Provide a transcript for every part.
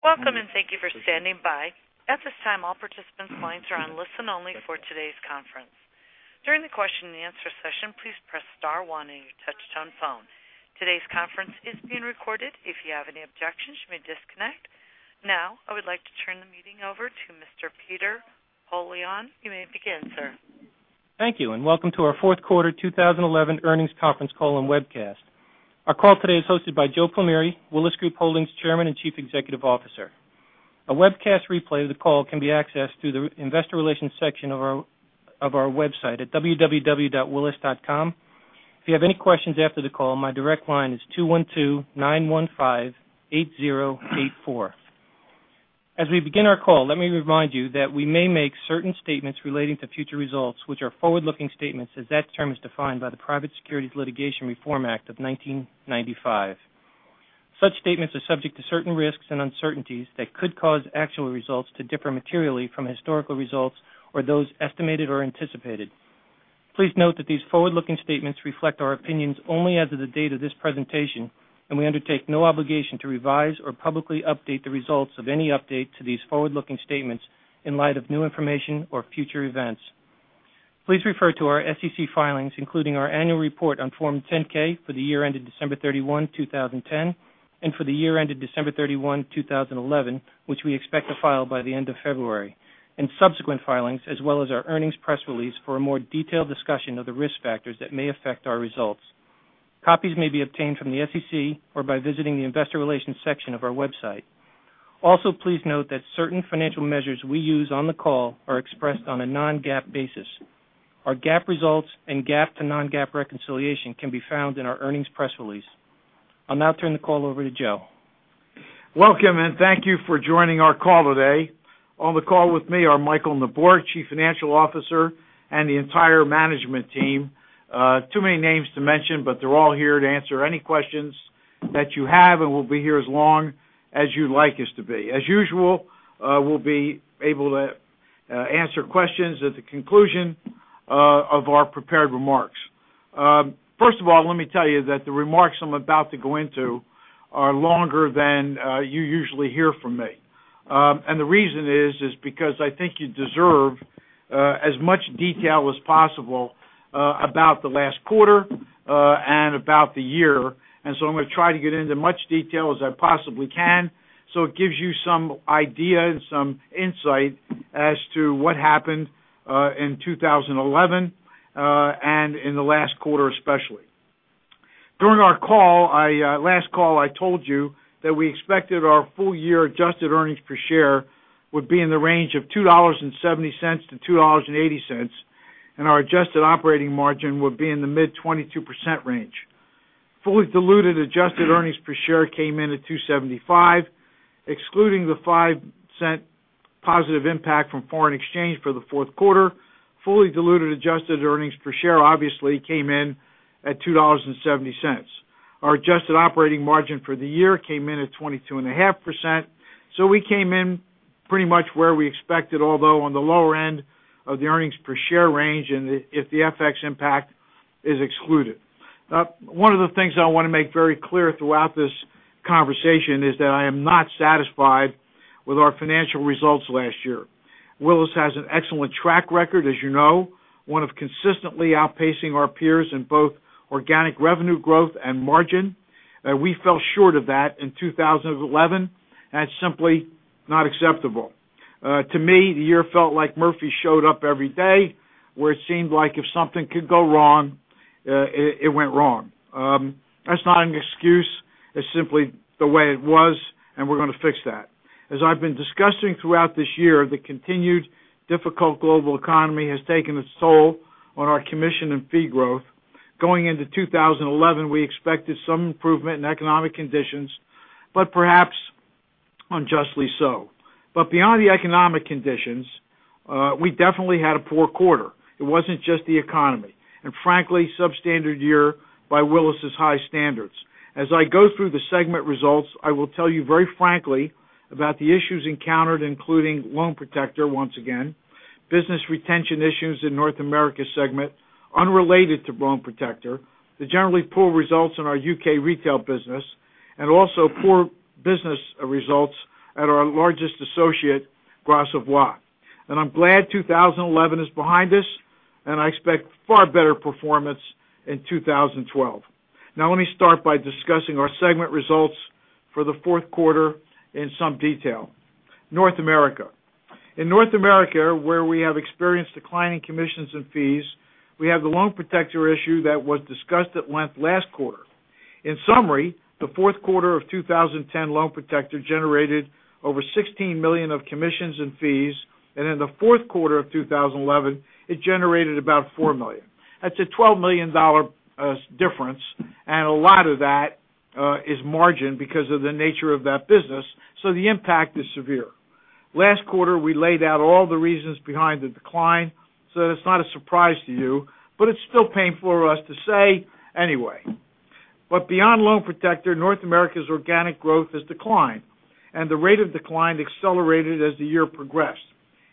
Welcome. Thank you for standing by. At this time, all participants' lines are on listen only for today's conference. During the question and answer session, please press star one on your touch-tone phone. Today's conference is being recorded. If you have any objections, you may disconnect. I would like to turn the meeting over to Mr. Peter Hearn. You may begin, sir. Thank you. Welcome to our fourth quarter 2011 earnings conference call and webcast. Our call today is hosted by Joe Plumeri, Willis Group Holdings Chairman and Chief Executive Officer. A webcast replay of the call can be accessed through the investor relations section of our website at www.willis.com. If you have any questions after the call, my direct line is 212-915-8084. As we begin our call, let me remind you that we may make certain statements relating to future results, which are forward-looking statements as that term is defined by the Private Securities Litigation Reform Act of 1995. Such statements are subject to certain risks and uncertainties that could cause actual results to differ materially from historical results or those estimated or anticipated. Please note that these forward-looking statements reflect our opinions only as of the date of this presentation. We undertake no obligation to revise or publicly update the results of any update to these forward-looking statements in light of new information or future events. Please refer to our SEC filings, including our annual report on Form 10-K for the year ended December 31, 2010, and for the year ended December 31, 2011, which we expect to file by the end of February, subsequent filings as well as our earnings press release for a more detailed discussion of the risk factors that may affect our results. Copies may be obtained from the SEC or by visiting the investor relations section of our website. Please note that certain financial measures we use on the call are expressed on a non-GAAP basis. Our GAAP results and GAAP to non-GAAP reconciliation can be found in our earnings press release. I'll now turn the call over to Joe. Welcome, and thank you for joining our call today. On the call with me are Michael Neborak, Chief Financial Officer, and the entire management team. Too many names to mention, but they're all here to answer any questions that you have, and we'll be here as long as you'd like us to be. As usual, we'll be able to answer questions at the conclusion of our prepared remarks. First of all, let me tell you that the remarks I'm about to go into are longer than you usually hear from me. The reason is because I think you deserve as much detail as possible about the last quarter, and about the year. I'm going to try to get into as much detail as I possibly can, so it gives you some idea and some insight as to what happened in 2011, and in the last quarter, especially. During our last call, I told you that we expected our full year adjusted earnings per share would be in the range of $2.70-$2.80, and our adjusted operating margin would be in the mid 22% range. Fully diluted adjusted earnings per share came in at $2.75, excluding the $0.05 positive impact from foreign exchange for the fourth quarter. Fully diluted adjusted earnings per share obviously came in at $2.70. Our adjusted operating margin for the year came in at 22.5%. We came in pretty much where we expected, although on the lower end of the earnings per share range if the FX impact is excluded. One of the things I want to make very clear throughout this conversation is that I am not satisfied with our financial results last year. Willis has an excellent track record, as you know, one of consistently outpacing our peers in both organic revenue growth and margin. We fell short of that in 2011. That's simply not acceptable. To me, the year felt like Murphy showed up every day, where it seemed like if something could go wrong, it went wrong. That's not an excuse. It's simply the way it was, and we're going to fix that. As I've been discussing throughout this year, the continued difficult global economy has taken its toll on our commission and fee growth. Going into 2011, we expected some improvement in economic conditions, but perhaps unjustly so. Beyond the economic conditions, we definitely had a poor quarter. It wasn't just the economy, and frankly, substandard year by Willis's high standards. As I go through the segment results, I will tell you very frankly about the issues encountered, including Loan Protector, once again, business retention issues in North America segment unrelated to Loan Protector, the generally poor results in our U.K. retail business, and also poor business results at our largest associate, Gras Savoye. I'm glad 2011 is behind us, and I expect far better performance in 2012. Now let me start by discussing our segment results for the fourth quarter in some detail. North America. In North America, where we have experienced declining commissions and fees, we have the Loan Protector issue that was discussed at length last quarter. In summary, the fourth quarter of 2010, Loan Protector generated over $16 million of commissions and fees, and in the fourth quarter of 2011, it generated about $4 million. That's a $12 million difference, and a lot of that is margin because of the nature of that business, so the impact is severe. Last quarter, we laid out all the reasons behind the decline, so that it's not a surprise to you, but it's still painful for us to say anyway. Beyond Loan Protector, North America's organic growth has declined, and the rate of decline accelerated as the year progressed.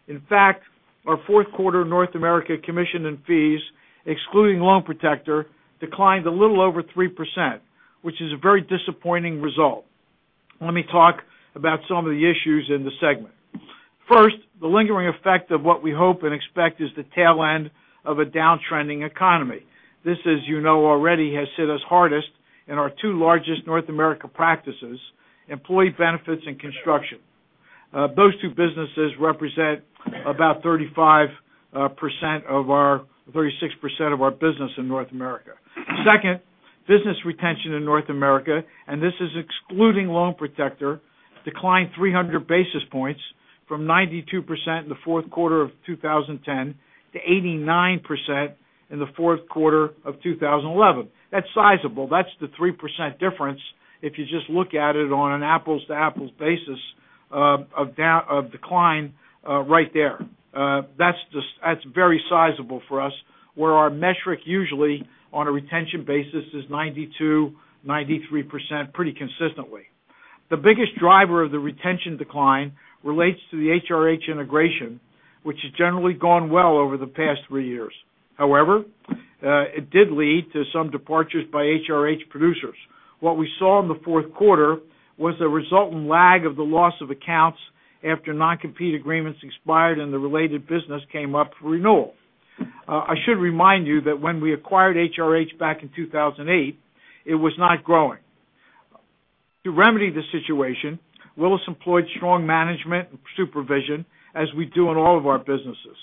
In fact, our fourth quarter North America commission and fees, excluding Loan Protector, declined a little over 3%, which is a very disappointing result. Let me talk about some of the issues in the segment. First, the lingering effect of what we hope and expect is the tail end of a downtrending economy. This, as you know already, has hit us hardest in our two largest North America practices, employee benefits and construction. Those two businesses represent about 36% of our business in North America. Second, business retention in North America, and this is excluding Loan Protector, declined 300 basis points from 92% in the fourth quarter of 2010 to 89% in the fourth quarter of 2011. That's sizable. That's the 3% difference if you just look at it on an apples to apples basis of decline right there. That's very sizable for us, where our metric usually on a retention basis is 92%, 93%, pretty consistently. The biggest driver of the retention decline relates to the HRH integration, which has generally gone well over the past three years. However, it did lead to some departures by HRH producers. What we saw in the fourth quarter was the resultant lag of the loss of accounts after non-compete agreements expired and the related business came up for renewal. I should remind you that when we acquired HRH back in 2008, it was not growing. To remedy the situation, Willis employed strong management and supervision, as we do in all of our businesses.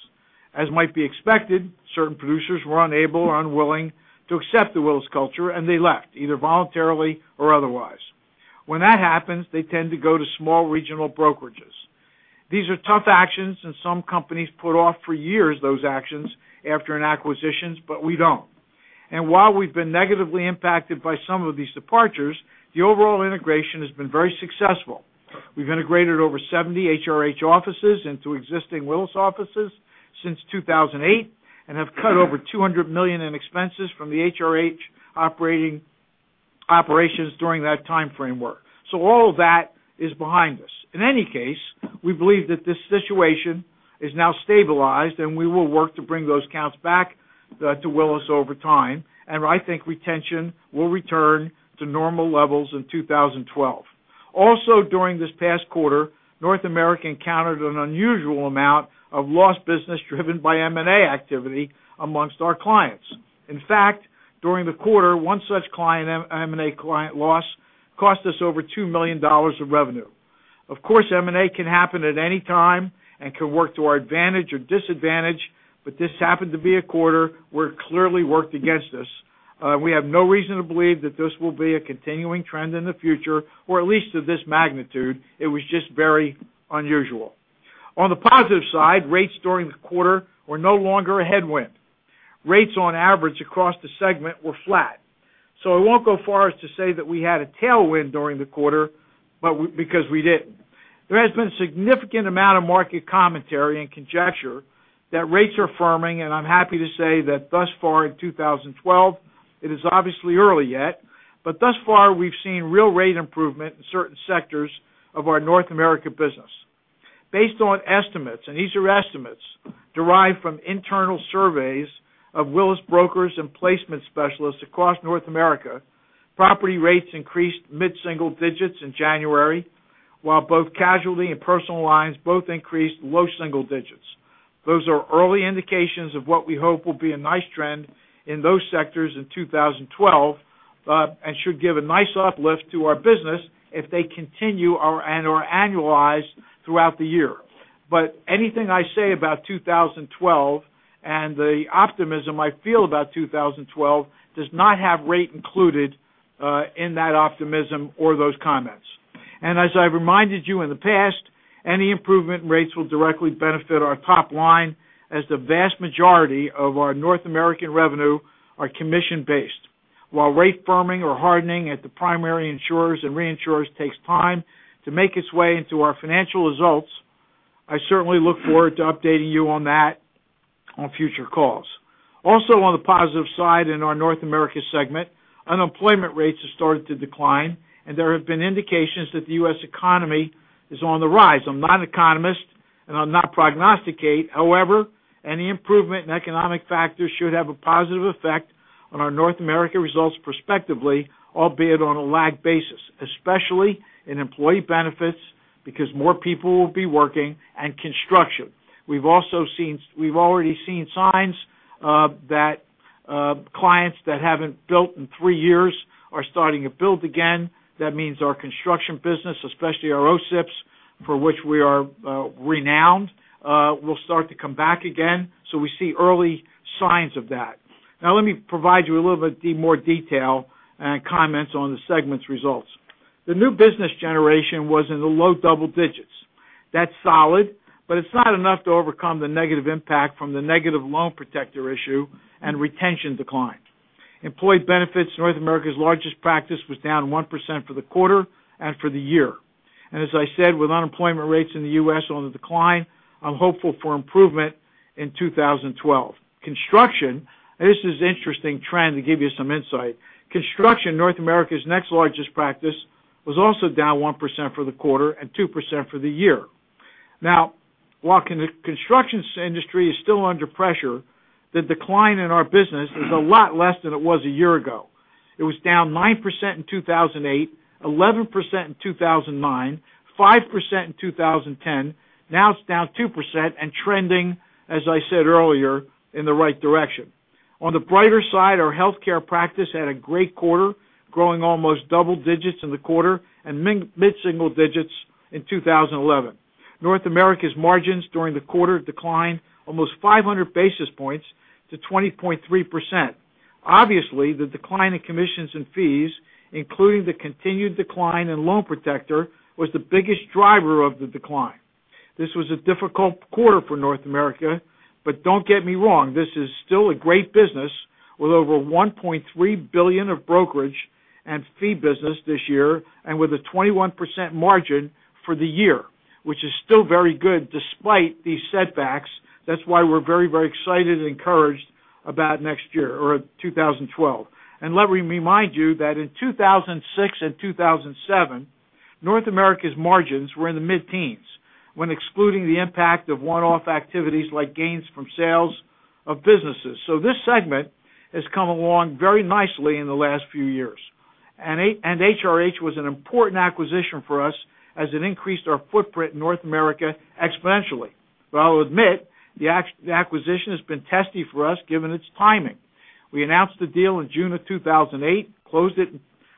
As might be expected, certain producers were unable or unwilling to accept the Willis culture, and they left, either voluntarily or otherwise. When that happens, they tend to go to small regional brokerages. These are tough actions, and some companies put off for years, those actions after an acquisitions, but we don't. While we've been negatively impacted by some of these departures, the overall integration has been very successful. We've integrated over 70 HRH offices into existing Willis offices since 2008 and have cut over $200 million in expenses from the HRH operations during that time frame work. All of that is behind us. In any case, we believe that this situation is now stabilized, we will work to bring those accounts back to Willis over time, I think retention will return to normal levels in 2012. Also, during this past quarter, North America encountered an unusual amount of lost business driven by M&A activity amongst our clients. In fact, during the quarter, one such M&A client loss cost us over $2 million of revenue. Of course, M&A can happen at any time can work to our advantage or disadvantage, this happened to be a quarter where it clearly worked against us. We have no reason to believe that this will be a continuing trend in the future or at least of this magnitude. It was just very unusual. On the positive side, rates during the quarter were no longer a headwind. Rates on average across the segment were flat. I won't go far as to say that we had a tailwind during the quarter, because we didn't. There has been a significant amount of market commentary and conjecture that rates are firming, and I'm happy to say that thus far in 2012, it is obviously early yet, but thus far, we've seen real rate improvement in certain sectors of our North America business. Based on estimates, and these are estimates derived from internal surveys of Willis brokers and placement specialists across North America, property rates increased mid-single digits in January, while both casualty and personal lines both increased low single digits. Those are early indications of what we hope will be a nice trend in those sectors in 2012, and should give a nice uplift to our business if they continue and/or annualize throughout the year. Anything I say about 2012 and the optimism I feel about 2012 does not have rate included in that optimism or those comments. As I've reminded you in the past, any improvement in rates will directly benefit our top line as the vast majority of our North American revenue are commission-based. While rate firming or hardening at the primary insurers and reinsurers takes time to make its way into our financial results, I certainly look forward to updating you on that on future calls. Also on the positive side in our North America segment, unemployment rates have started to decline, and there have been indications that the U.S. economy is on the rise. I'm not an economist, and I'll not prognosticate. However, any improvement in economic factors should have a positive effect on our North America results prospectively, albeit on a lag basis, especially in employee benefits, because more people will be working and construction. We've already seen signs that clients that haven't built in three years are starting to build again. That means our construction business, especially our OCIPs, for which we are renowned, will start to come back again. We see early signs of that. Let me provide you a little bit more detail and comments on the segment's results. The new business generation was in the low double digits. That's solid, but it's not enough to overcome the negative impact from the negative Loan Protector issue and retention decline. Employee benefits, North America's largest practice, was down 1% for the quarter and for the year. As I said, with unemployment rates in the U.S. on the decline, I'm hopeful for improvement in 2012. Construction, this is an interesting trend to give you some insight. Construction, North America's next largest practice, was also down 1% for the quarter and 2% for the year. While the construction industry is still under pressure, the decline in our business is a lot less than it was a year ago. It was down 9% in 2008, 11% in 2009, 5% in 2010. It's down 2% and trending, as I said earlier, in the right direction. On the brighter side, our healthcare practice had a great quarter, growing almost double digits in the quarter and mid-single digits in 2011. North America's margins during the quarter declined almost 500 basis points to 20.3%. Obviously, the decline in Commissions and Fees, including the continued decline in Loan Protector, was the biggest driver of the decline. This was a difficult quarter for North America, but don't get me wrong, this is still a great business with over $1.3 billion of brokerage and fee business this year, and with a 21% margin for the year, which is still very good despite these setbacks. That's why we're very, very excited and encouraged about next year or 2012. Let me remind you that in 2006 and 2007, North America's margins were in the mid-teens when excluding the impact of one-off activities like gains from sales of businesses. This segment has come along very nicely in the last few years. HRH was an important acquisition for us as it increased our footprint in North America exponentially. I'll admit, the acquisition has been testy for us, given its timing. We announced the deal in June of 2008, closed it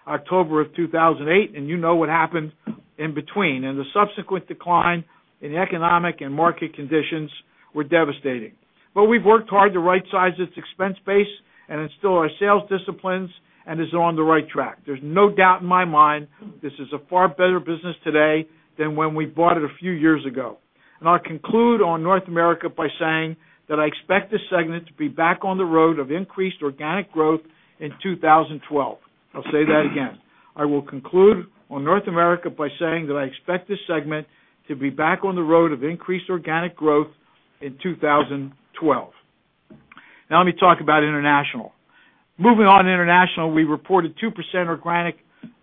October of 2008, and you know what happened in between. The subsequent decline in economic and market conditions were devastating. We've worked hard to rightsize its expense base and instill our sales disciplines and is on the right track. There's no doubt in my mind this is a far better business today than when we bought it a few years ago. I'll conclude on North America by saying that I expect this segment to be back on the road of increased organic growth in 2012. I'll say that again. I will conclude on North America by saying that I expect this segment to be back on the road of increased organic growth in 2012. Let me talk about international. Moving on to international, we reported 2% organic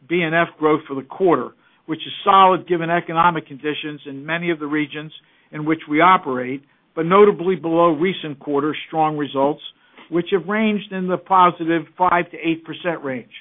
BNF growth for the quarter, which is solid given economic conditions in many of the regions in which we operate, notably below recent quarter strong results, which have ranged in the positive 5%-8% range.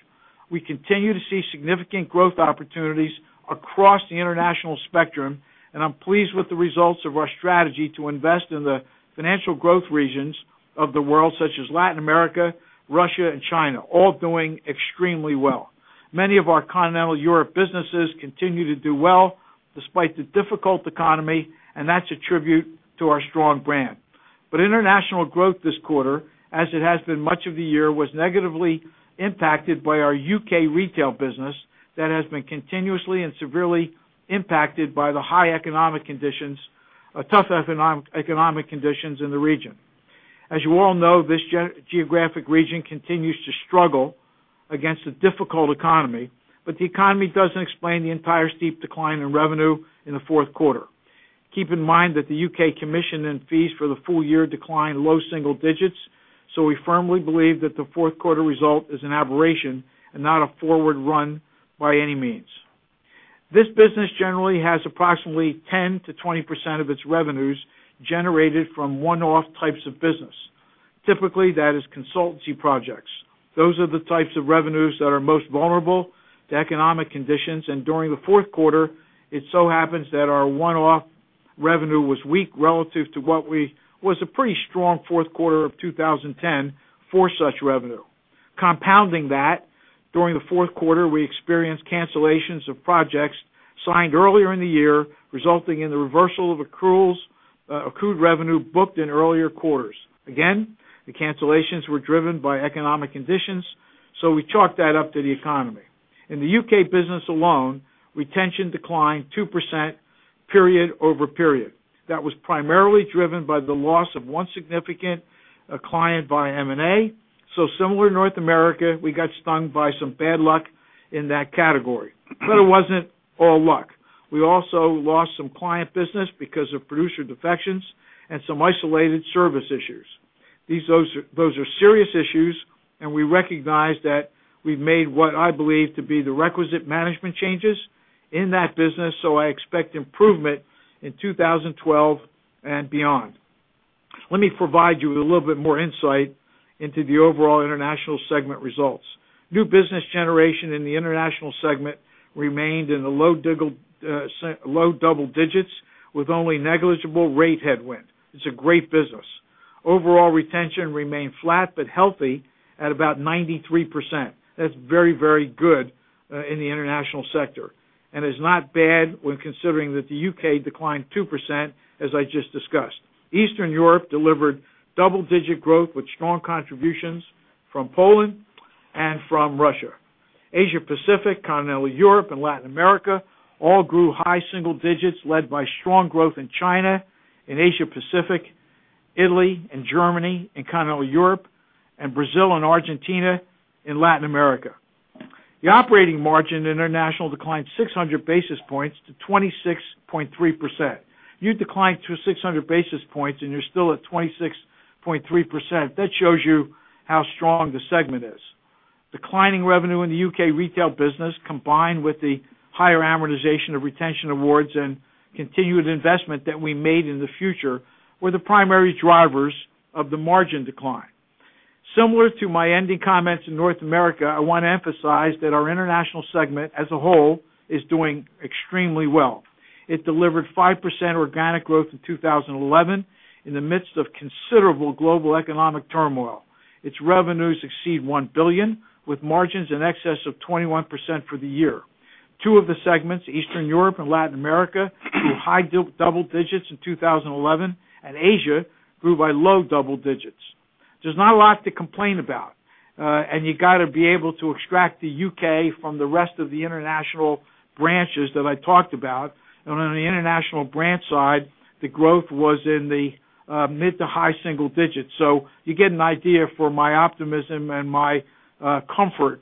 We continue to see significant growth opportunities across the international spectrum, I'm pleased with the results of our strategy to invest in the financial growth regions of the world such as Latin America, Russia, and China, all doing extremely well. Many of our continental Europe businesses continue to do well despite the difficult economy, that's a tribute to our strong brand. International growth this quarter, as it has been much of the year, was negatively impacted by our U.K. retail business that has been continuously and severely impacted by the high economic conditions, tough economic conditions in the region. As you all know, this geographic region continues to struggle against a difficult economy, the economy doesn't explain the entire steep decline in revenue in the fourth quarter. Keep in mind that the U.K. Commissions and Fees for the full year declined low single digits, we firmly believe that the fourth quarter result is an aberration and not a forward run by any means. This business generally has approximately 10%-20% of its revenues generated from one-off types of business. Typically, that is consultancy projects. Those are the types of revenues that are most vulnerable to economic conditions. During the fourth quarter, it so happens that our one-off revenue was weak relative to what was a pretty strong fourth quarter of 2010 for such revenue. Compounding that, during the fourth quarter, we experienced cancellations of projects signed earlier in the year, resulting in the reversal of accrued revenue booked in earlier quarters. Again, the cancellations were driven by economic conditions, we chalk that up to the economy. In the U.K. business alone, retention declined 2% period-over-period. That was primarily driven by the loss of one significant client by M&A. Similar to North America, we got stung by some bad luck in that category. It wasn't all luck. We also lost some client business because of producer defections and some isolated service issues. Those are serious issues. We recognize that we've made what I believe to be the requisite management changes in that business, I expect improvement in 2012 and beyond. Let me provide you with a little bit more insight into the overall international segment results. New business generation in the international segment remained in the low double digits with only negligible rate headwind. It's a great business. Overall retention remained flat but healthy at about 93%. That's very, very good in the international sector, and is not bad when considering that the U.K. declined 2%, as I just discussed. Eastern Europe delivered double-digit growth with strong contributions from Poland and from Russia. Asia-Pacific, continental Europe, and Latin America all grew high single digits, led by strong growth in China, in Asia-Pacific, Italy and Germany, in continental Europe, and Brazil and Argentina in Latin America. The operating margin in international declined 600 basis points to 26.3%. You decline to 600 basis points and you're still at 26.3%. That shows you how strong the segment is. Declining revenue in the U.K. retail business, combined with the higher amortization of retention awards and continued investment that we made in the future, were the primary drivers of the margin decline. Similar to my ending comments in North America, I want to emphasize that our international segment, as a whole, is doing extremely well. It delivered 5% organic growth in 2011 in the midst of considerable global economic turmoil. Its revenues exceed $1 billion, with margins in excess of 21% for the year. Two of the segments, Eastern Europe and Latin America, grew high double digits in 2011, and Asia grew by low double digits. There's not a lot to complain about. You got to be able to extract the U.K. from the rest of the international branches that I talked about. On the international branch side, the growth was in the mid to high single digits. You get an idea for my optimism and my comfort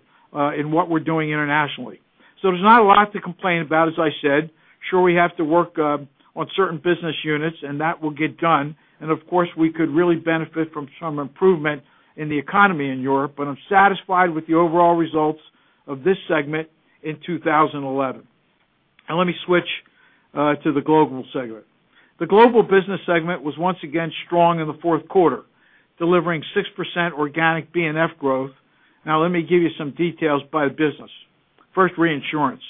in what we're doing internationally. There's not a lot to complain about, as I said. Sure, we have to work on certain business units, that will get done, of course, we could really benefit from some improvement in the economy in Europe, I'm satisfied with the overall results of this segment in 2011. Let me switch to the global segment. The global business segment was once again strong in the fourth quarter, delivering 6% organic BNF growth. Let me give you some details by business. First, reinsurance.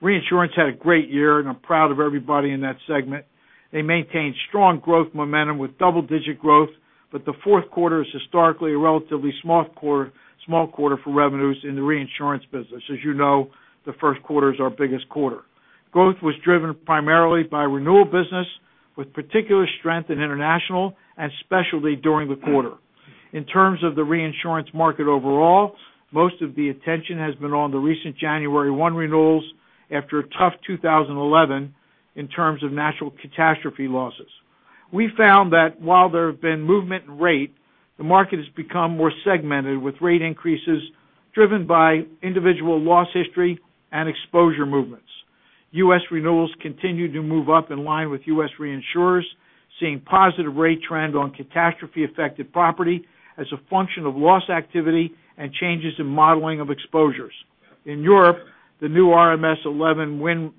Reinsurance had a great year, and I'm proud of everybody in that segment. They maintained strong growth momentum with double-digit growth. The fourth quarter is historically a relatively small quarter for revenues in the reinsurance business. As you know, the first quarter is our biggest quarter. Growth was driven primarily by renewal business, with particular strength in international and specialty during the quarter. In terms of the reinsurance market overall, most of the attention has been on the recent January 1 renewals after a tough 2011 in terms of natural catastrophe losses. We found that while there have been movement in rate, the market has become more segmented, with rate increases driven by individual loss history and exposure movements. U.S. renewals continued to move up in line with U.S. reinsurers, seeing positive rate trend on catastrophe-affected property as a function of loss activity and changes in modeling of exposures. In Europe, the new RMS v11 wind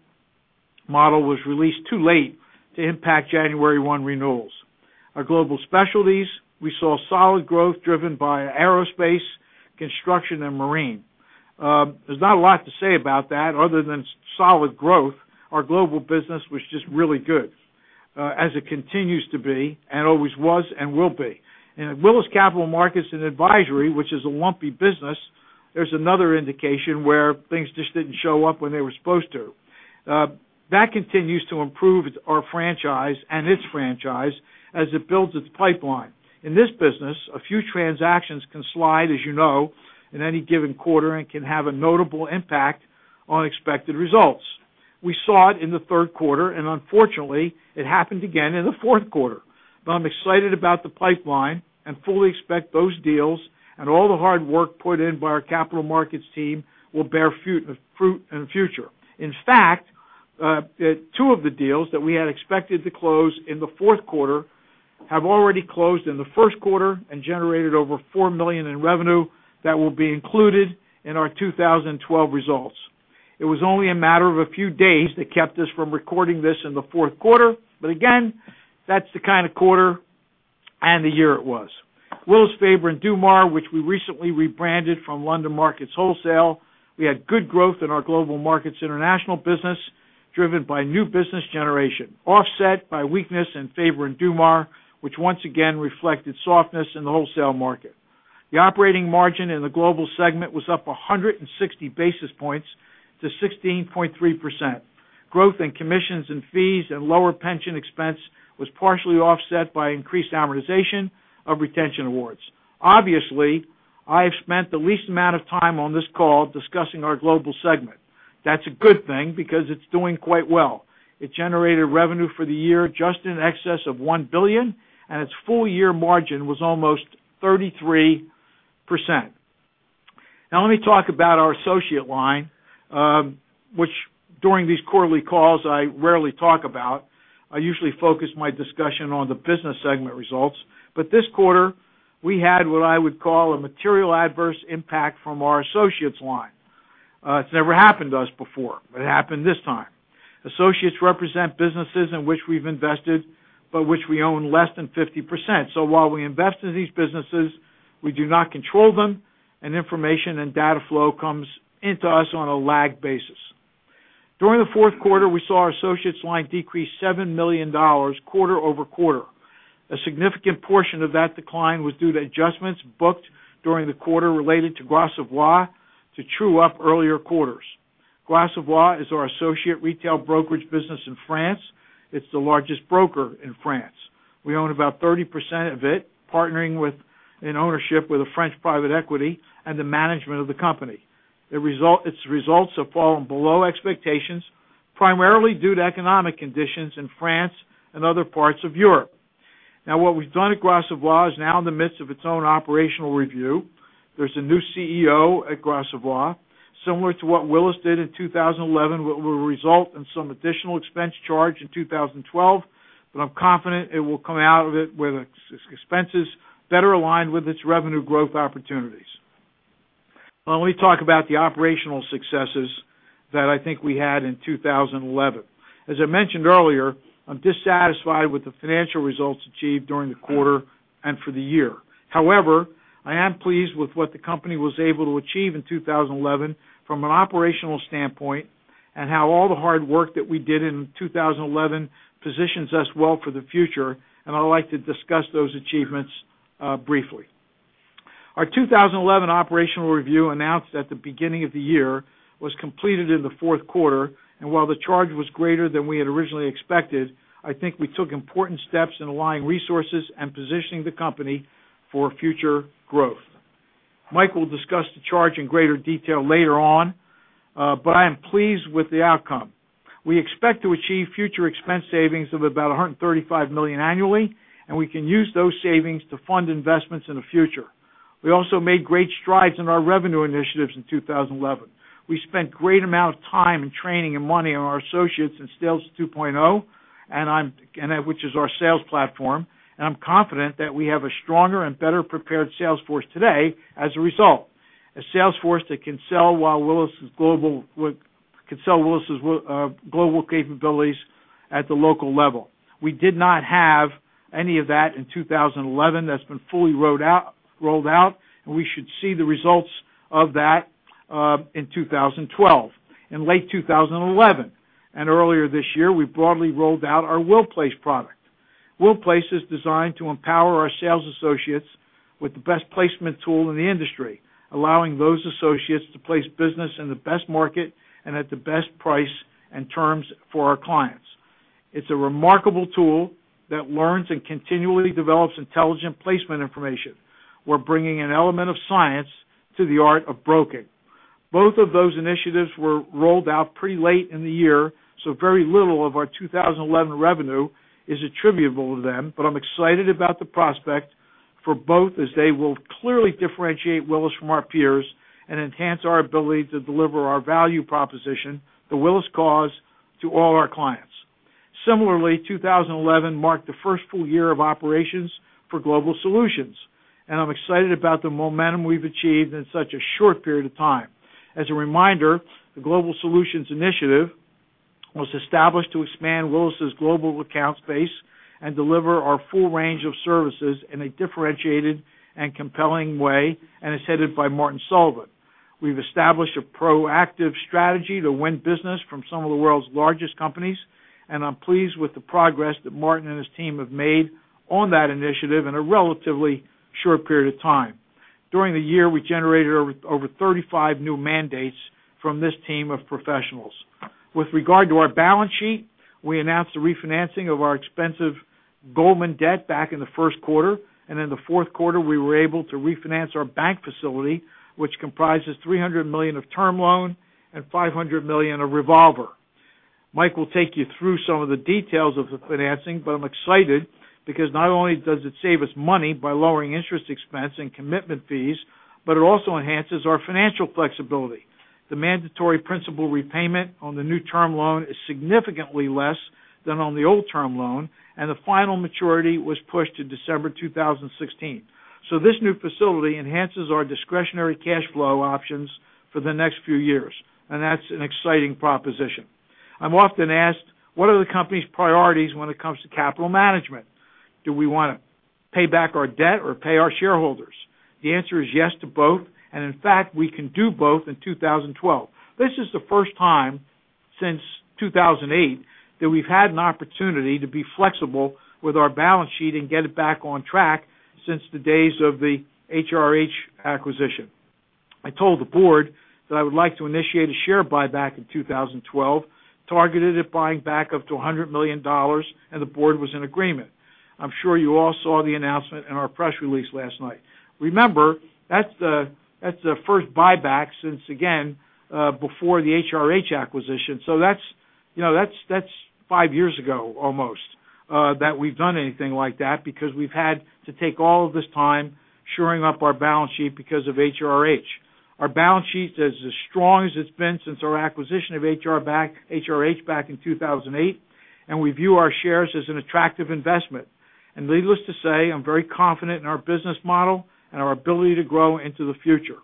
model was released too late to impact January 1 renewals. Our global specialties, we saw solid growth driven by aerospace, construction, and marine. There's not a lot to say about that other than solid growth. Our global business was just really good, as it continues to be and always was and will be. In Willis Capital Markets & Advisory, which is a lumpy business, there's another indication where things just didn't show up when they were supposed to. That continues to improve our franchise and its franchise as it builds its pipeline. In this business, a few transactions can slide, as you know, in any given quarter and can have a notable impact on expected results. We saw it in the third quarter. Unfortunately, it happened again in the fourth quarter. I'm excited about the pipeline and fully expect those deals and all the hard work put in by our capital markets team will bear fruit in the future. In fact, two of the deals that we had expected to close in the fourth quarter have already closed in the first quarter and generated over $4 million in revenue that will be included in our 2012 results. It was only a matter of a few days that kept us from recording this in the fourth quarter. Again, that's the kind of quarter and the year it was. Willis Faber & Dumas, which we recently rebranded from London Markets Wholesale, we had good growth in our global markets international business, driven by new business generation, offset by weakness in Faber & Dumas, which once again reflected softness in the wholesale market. The operating margin in the global segment was up 160 basis points to 16.3%. Growth in commissions and fees and lower pension expense was partially offset by increased amortization of retention awards. Obviously, I've spent the least amount of time on this call discussing our global segment. That's a good thing because it's doing quite well. It generated revenue for the year just in excess of $1 billion. Its full year margin was almost 33%. Now let me talk about our associate line, which during these quarterly calls I rarely talk about. I usually focus my discussion on the business segment results. This quarter, we had what I would call a material adverse impact from our associates line. It's never happened to us before. It happened this time. Associates represent businesses in which we've invested, which we own less than 50%. While we invest in these businesses, we do not control them, and information and data flow comes in to us on a lagged basis. During the fourth quarter, we saw our associates line decrease $7 million quarter-over-quarter. A significant portion of that decline was due to adjustments booked during the quarter related to Gras Savoye to true up earlier quarters. Gras Savoye is our associate retail brokerage business in France. It's the largest broker in France. We own about 30% of it, partnering in ownership with a French private equity and the management of the company. Its results have fallen below expectations, primarily due to economic conditions in France and other parts of Europe. What we've done at Gras Savoye is now in the midst of its own operational review. There's a new CEO at Gras Savoye. Similar to what Willis did in 2011, what will result in some additional expense charge in 2012, but I'm confident it will come out of it with expenses better aligned with its revenue growth opportunities. Let me talk about the operational successes that I think we had in 2011. As I mentioned earlier, I'm dissatisfied with the financial results achieved during the quarter and for the year. However, I am pleased with what the company was able to achieve in 2011 from an operational standpoint and how all the hard work that we did in 2011 positions us well for the future, and I'd like to discuss those achievements briefly. Our 2011 operational review, announced at the beginning of the year, was completed in the fourth quarter, and while the charge was greater than we had originally expected, I think we took important steps in aligning resources and positioning the company for future growth. Mike will discuss the charge in greater detail later on, but I am pleased with the outcome. We expect to achieve future expense savings of about $135 million annually, and we can use those savings to fund investments in the future. We also made great strides in our revenue initiatives in 2011. We spent great amount of time and training and money on our associates in Sales 2.0, which is our sales platform, and I'm confident that we have a stronger and better-prepared sales force today as a result, a sales force that can sell Willis' global capabilities at the local level. We did not have any of that in 2011. That's been fully rolled out, and we should see the results of that in 2012. In late 2011, and earlier this year, we broadly rolled out our WILLPlace product. WILLPlace is designed to empower our sales associates with the best placement tool in the industry, allowing those associates to place business in the best market and at the best price and terms for our clients. It's a remarkable tool that learns and continually develops intelligent placement information. We're bringing an element of science to the art of broking. Both of those initiatives were rolled out pretty late in the year, so very little of our 2011 revenue is attributable to them, but I'm excited about the prospect for both as they will clearly differentiate Willis from our peers and enhance our ability to deliver our value proposition, the Willis Cause, to all our clients. Similarly, 2011 marked the first full year of operations for Global Solutions, and I'm excited about the momentum we've achieved in such a short period of time. As a reminder, the Global Solutions Initiative was established to expand Willis' global account space and deliver our full range of services in a differentiated and compelling way, and is headed by Martin Sullivan. We've established a proactive strategy to win business from some of the world's largest companies, and I'm pleased with the progress that Martin and his team have made on that initiative in a relatively short period of time. During the year, we generated over 35 new mandates from this team of professionals. With regard to our balance sheet, we announced the refinancing of our expensive Goldman debt back in the first quarter, and in the fourth quarter, we were able to refinance our bank facility, which comprises $300 million of term loan and $500 million of revolver. Mike will take you through some of the details of the financing, but I'm excited because not only does it save us money by lowering interest expense and commitment fees, but it also enhances our financial flexibility. The mandatory principal repayment on the new term loan is significantly less than on the old term loan, and the final maturity was pushed to December 2016. This new facility enhances our discretionary cash flow options for the next few years, and that's an exciting proposition. I'm often asked, what are the company's priorities when it comes to capital management? Do we want to pay back our debt or pay our shareholders? The answer is yes to both, and in fact, we can do both in 2012. This is the first time since 2008 that we've had an opportunity to be flexible with our balance sheet and get it back on track since the days of the HRH acquisition. I told the board that I would like to initiate a share buyback in 2012, targeted at buying back up to $100 million, and the board was in agreement. I'm sure you all saw the announcement in our press release last night. Remember, that's the first buyback since, again, before the HRH acquisition. That's five years ago almost, that we've done anything like that because we've had to take all of this time shoring up our balance sheet because of HRH. Our balance sheet is as strong as it's been since our acquisition of HRH back in 2008, and we view our shares as an attractive investment. Needless to say, I'm very confident in our business model and our ability to grow into the future.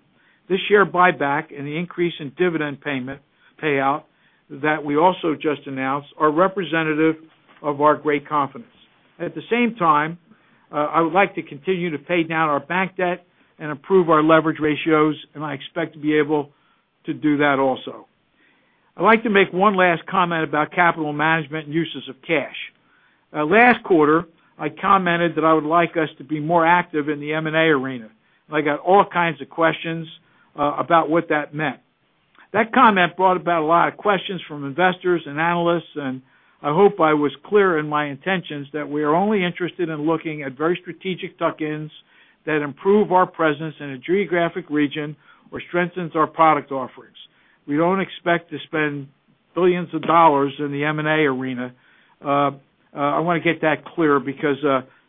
This share buyback and the increase in dividend payout that we also just announced are representative of our great confidence. At the same time, I would like to continue to pay down our bank debt and improve our leverage ratios, and I expect to be able to do that also. I'd like to make one last comment about capital management and uses of cash. Last quarter, I commented that I would like us to be more active in the M&A arena, and I got all kinds of questions about what that meant. That comment brought about a lot of questions from investors and analysts, I hope I was clear in my intentions that we are only interested in looking at very strategic tuck-ins that improve our presence in a geographic region or strengthen our product offerings. We don't expect to spend billions of dollars in the M&A arena. I want to get that clear because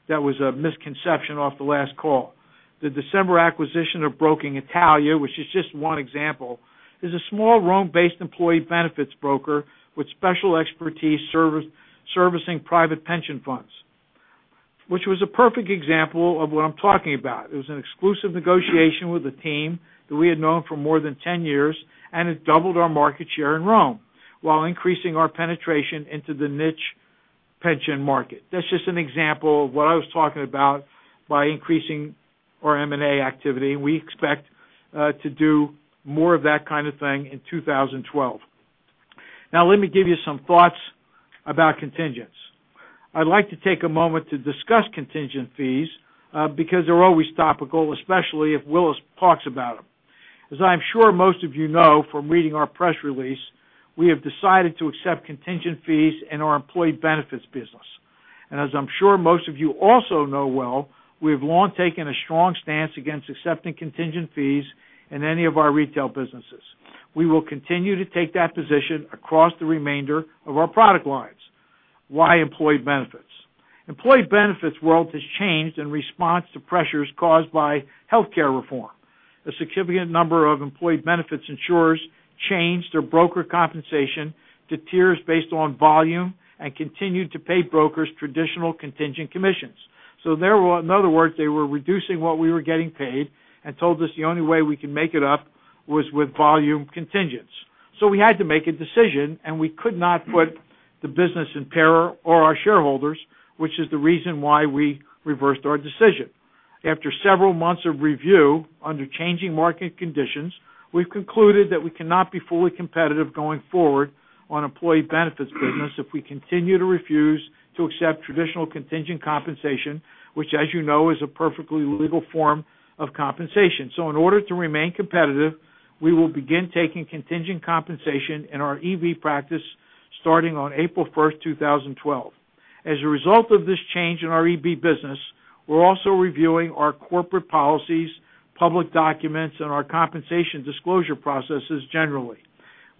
that was a misconception off the last call. The December acquisition of Broking Italia, which is just one example, is a small Rome-based employee benefits broker with special expertise servicing private pension funds, which was a perfect example of what I'm talking about. It was an exclusive negotiation with a team that we had known for more than 10 years, it doubled our market share in Rome while increasing our penetration into the niche pension market. That's just an example of what I was talking about by increasing our M&A activity. We expect to do more of that kind of thing in 2012. Let me give you some thoughts about contingents. I'd like to take a moment to discuss contingent fees because they're always topical, especially if Willis talks about them. As I am sure most of you know from reading our press release, we have decided to accept contingent fees in our employee benefits business. As I'm sure most of you also know well, we have long taken a strong stance against accepting contingent fees in any of our retail businesses. We will continue to take that position across the remainder of our product lines. Why employee benefits? Employee benefits world has changed in response to pressures caused by healthcare reform. A significant number of employee benefits insurers changed their broker compensation to tiers based on volume and continued to pay brokers traditional contingent commissions. In other words, they were reducing what we were getting paid and told us the only way we could make it up was with volume contingents. We had to make a decision, we could not put the business in peril or our shareholders, which is the reason why we reversed our decision. After several months of review under changing market conditions, we've concluded that we cannot be fully competitive going forward on employee benefits business if we continue to refuse to accept traditional contingent compensation, which as you know, is a perfectly legal form of compensation. In order to remain competitive, we will begin taking contingent compensation in our EB practice starting on April 1st, 2012. As a result of this change in our EB business, we're also reviewing our corporate policies, public documents, and our compensation disclosure processes generally.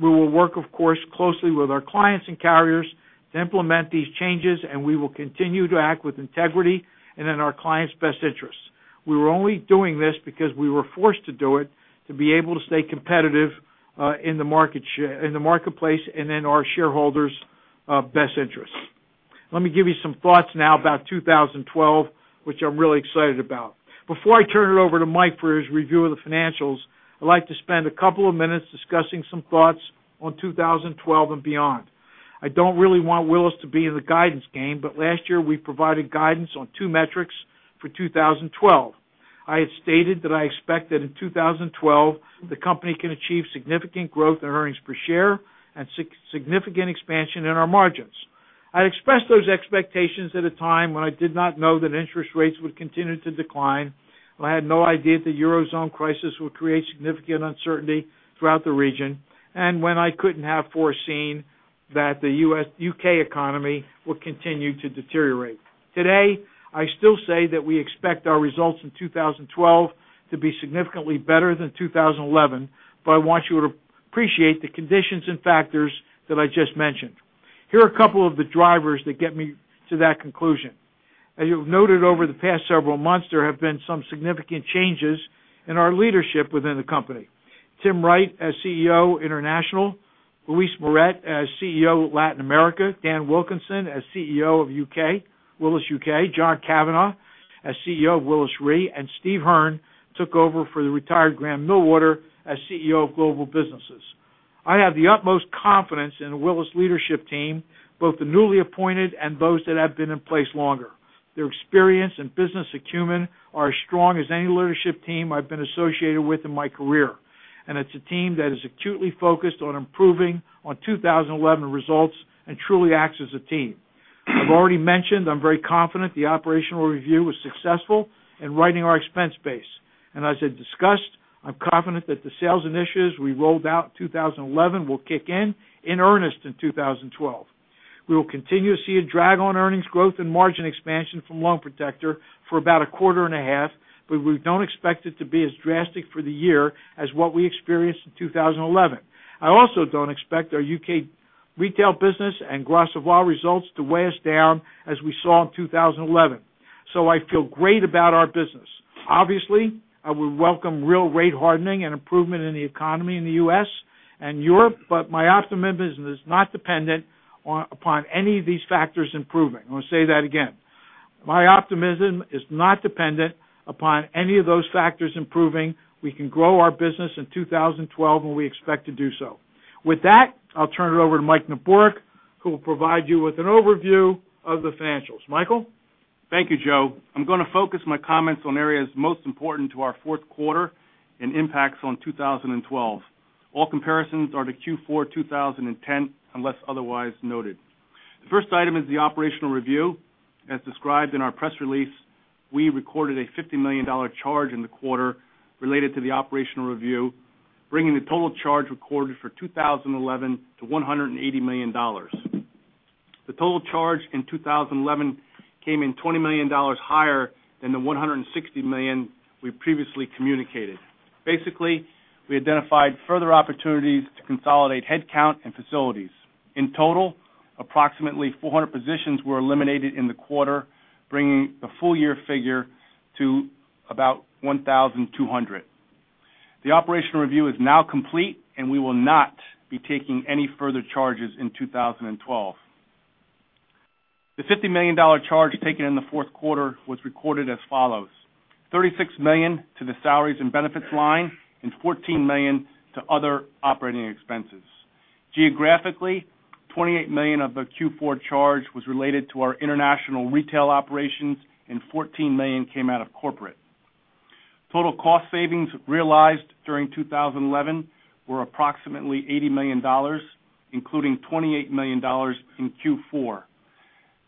We will work, of course, closely with our clients and carriers to implement these changes, we will continue to act with integrity and in our clients' best interests. We were only doing this because we were forced to do it to be able to stay competitive in the marketplace and in our shareholders' best interests. Let me give you some thoughts now about 2012, which I'm really excited about. Before I turn it over to Mike for his review of the financials, I'd like to spend a couple of minutes discussing some thoughts on 2012 and beyond. I don't really want Willis to be in the guidance game, but last year we provided guidance on two metrics for 2012. I had stated that I expect that in 2012, the company can achieve significant growth in earnings per share and significant expansion in our margins. I expressed those expectations at a time when I did not know that interest rates would continue to decline, when I had no idea the Eurozone crisis would create significant uncertainty throughout the region, and when I couldn't have foreseen that the U.K. economy would continue to deteriorate. Today, I still say that we expect our results in 2012 to be significantly better than 2011. I want you to appreciate the conditions and factors that I just mentioned. Here are a couple of the drivers that get me to that conclusion. As you have noted over the past several months, there have been some significant changes in our leadership within the company. Tim Wright as CEO International, Luis Maurette as CEO Latin America, Dan Wilkinson as CEO of Willis UK, John Cavanagh as CEO of Willis Re, and Steve Hearn took over for the retired Grahame Millwater as CEO of Global Businesses. I have the utmost confidence in the Willis leadership team, both the newly appointed and those that have been in place longer. Their experience and business acumen are as strong as any leadership team I've been associated with in my career. It's a team that is acutely focused on improving on 2011 results and truly acts as a team. I've already mentioned I'm very confident the operational review was successful in righting our expense base. As I discussed, I'm confident that the sales initiatives we rolled out in 2011 will kick in earnest in 2012. We will continue to see a drag on earnings growth and margin expansion from Loan Protector for about a quarter and a half, but we don't expect it to be as drastic for the year as what we experienced in 2011. I also don't expect our U.K. retail business and Gras Savoye results to weigh us down as we saw in 2011. I feel great about our business. Obviously, I would welcome real rate hardening and improvement in the economy in the U.S. and Europe, but my optimism is not dependent upon any of these factors improving. I'm going to say that again. My optimism is not dependent upon any of those factors improving. We can grow our business in 2012, and we expect to do so. With that, I'll turn it over to Mike Neborak, who will provide you with an overview of the financials. Michael? Thank you, Joe. I am going to focus my comments on areas most important to our fourth quarter and impacts on 2012. All comparisons are to Q4 2010 unless otherwise noted. The first item is the operational review. As described in our press release, we recorded a $50 million charge in the quarter related to the operational review, bringing the total charge recorded for 2011 to $180 million. The total charge in 2011 came in $20 million higher than the $160 million we previously communicated. Basically, we identified further opportunities to consolidate head count and facilities. In total, approximately 400 positions were eliminated in the quarter, bringing the full year figure to about 1,200. The operational review is now complete, and we will not be taking any further charges in 2012. The $50 million charge taken in the fourth quarter was recorded as follows: $36 million to the Salaries and Benefits line and $14 million to other operating expenses. Geographically, $28 million of the Q4 charge was related to our international retail operations and $14 million came out of corporate. Total cost savings realized during 2011 were approximately $80 million, including $28 million in Q4.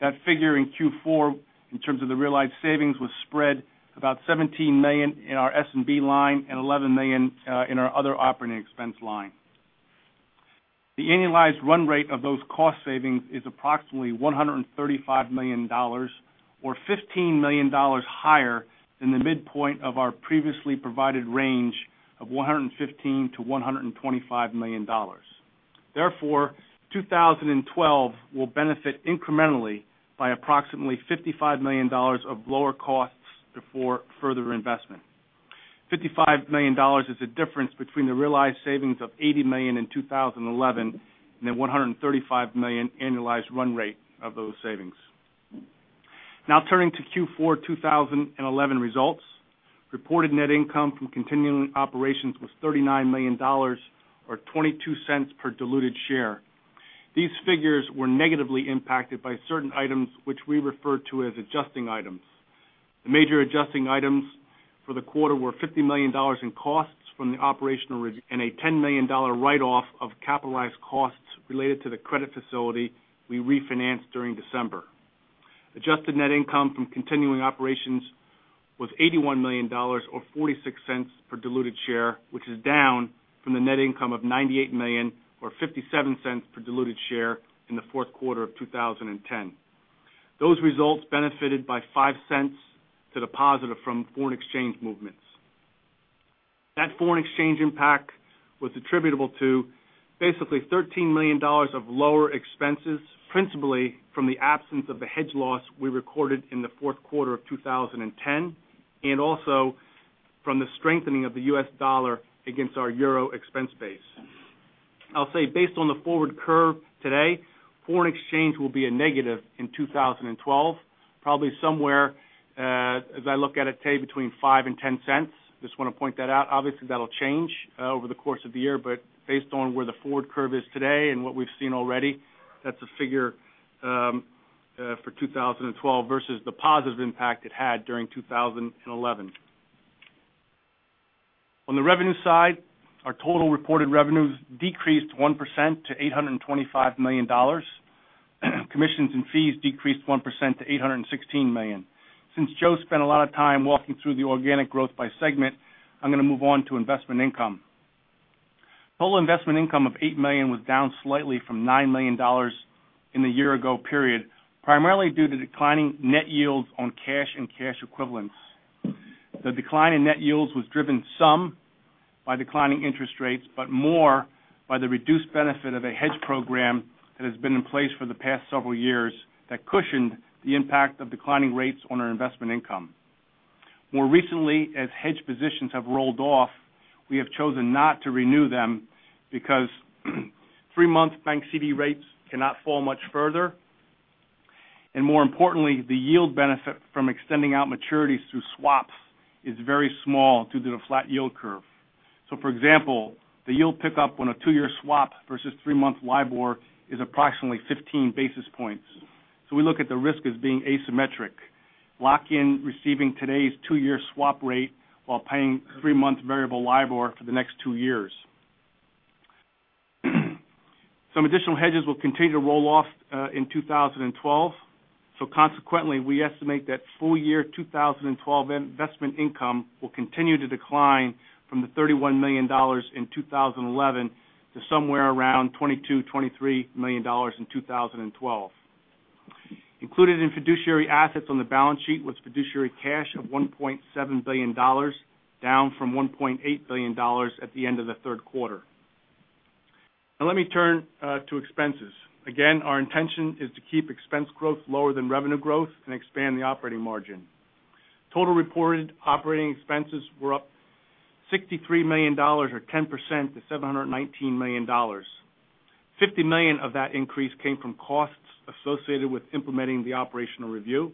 That figure in Q4, in terms of the realized savings, was spread about $17 million in our S&B line and $11 million in our other operating expense line. The annualized run rate of those cost savings is approximately $135 million or $15 million higher than the midpoint of our previously provided range of $115 million-$125 million. 2012 will benefit incrementally by approximately $55 million of lower costs before further investment. $55 million is the difference between the realized savings of $80 million in 2011 and the $135 million annualized run rate of those savings. Turning to Q4 2011 results. Reported net income from continuing operations was $39 million, or $0.22 per diluted share. These figures were negatively impacted by certain items which we refer to as adjusting items. The major adjusting items for the quarter were $50 million in costs from the operational review and a $10 million write-off of capitalized costs related to the credit facility we refinanced during December. Adjusted net income from continuing operations was $81 million, or $0.46 per diluted share, which is down from the net income of $98 million or $0.57 per diluted share in the fourth quarter of 2010. Those results benefited by $0.05 to the positive from foreign exchange movements. That foreign exchange impact was attributable to basically $13 million of lower expenses, principally from the absence of the hedge loss we recorded in the fourth quarter of 2010, and also from the strengthening of the U.S. dollar against our EUR expense base. I'll say based on the forward curve today, foreign exchange will be a negative in 2012, probably somewhere, as I look at it today, between $0.05 and $0.10. I just want to point that out. That'll change over the course of the year, but based on where the forward curve is today and what we've seen already, that is a figure for 2012 versus the positive impact it had during 2011. On the revenue side, our total reported revenues decreased 1% to $825 million. Commissions and Fees decreased 1% to $816 million. Since Joe spent a lot of time walking through the organic growth by segment, I'm going to move on to investment income. Total investment income of $8 million was down slightly from $9 million in the year ago period, primarily due to declining net yields on cash and cash equivalents. The decline in net yields was driven some by declining interest rates, but more by the reduced benefit of a hedge program that has been in place for the past several years that cushioned the impact of declining rates on our investment income. More recently, as hedge positions have rolled off, we have chosen not to renew them because three-month bank CD rates cannot fall much further, and more importantly, the yield benefit from extending out maturities through swaps is very small due to the flat yield curve. For example, the yield pickup on a two-year swap versus three-month LIBOR is approximately 15 basis points. We look at the risk as being asymmetric. Lock in receiving today's two-year swap rate while paying three-month variable LIBOR for the next two years. Some additional hedges will continue to roll off in 2012. Consequently, we estimate that full year 2012 investment income will continue to decline from the $31 million in 2011 to somewhere around $22 million-$23 million in 2012. Included in fiduciary assets on the balance sheet was fiduciary cash of $1.7 billion, down from $1.8 billion at the end of the third quarter. Let me turn to expenses. Again, our intention is to keep expense growth lower than revenue growth and expand the operating margin. Total reported operating expenses were up $63 million or 10% to $719 million. $50 million of that increase came from costs associated with implementing the operational review.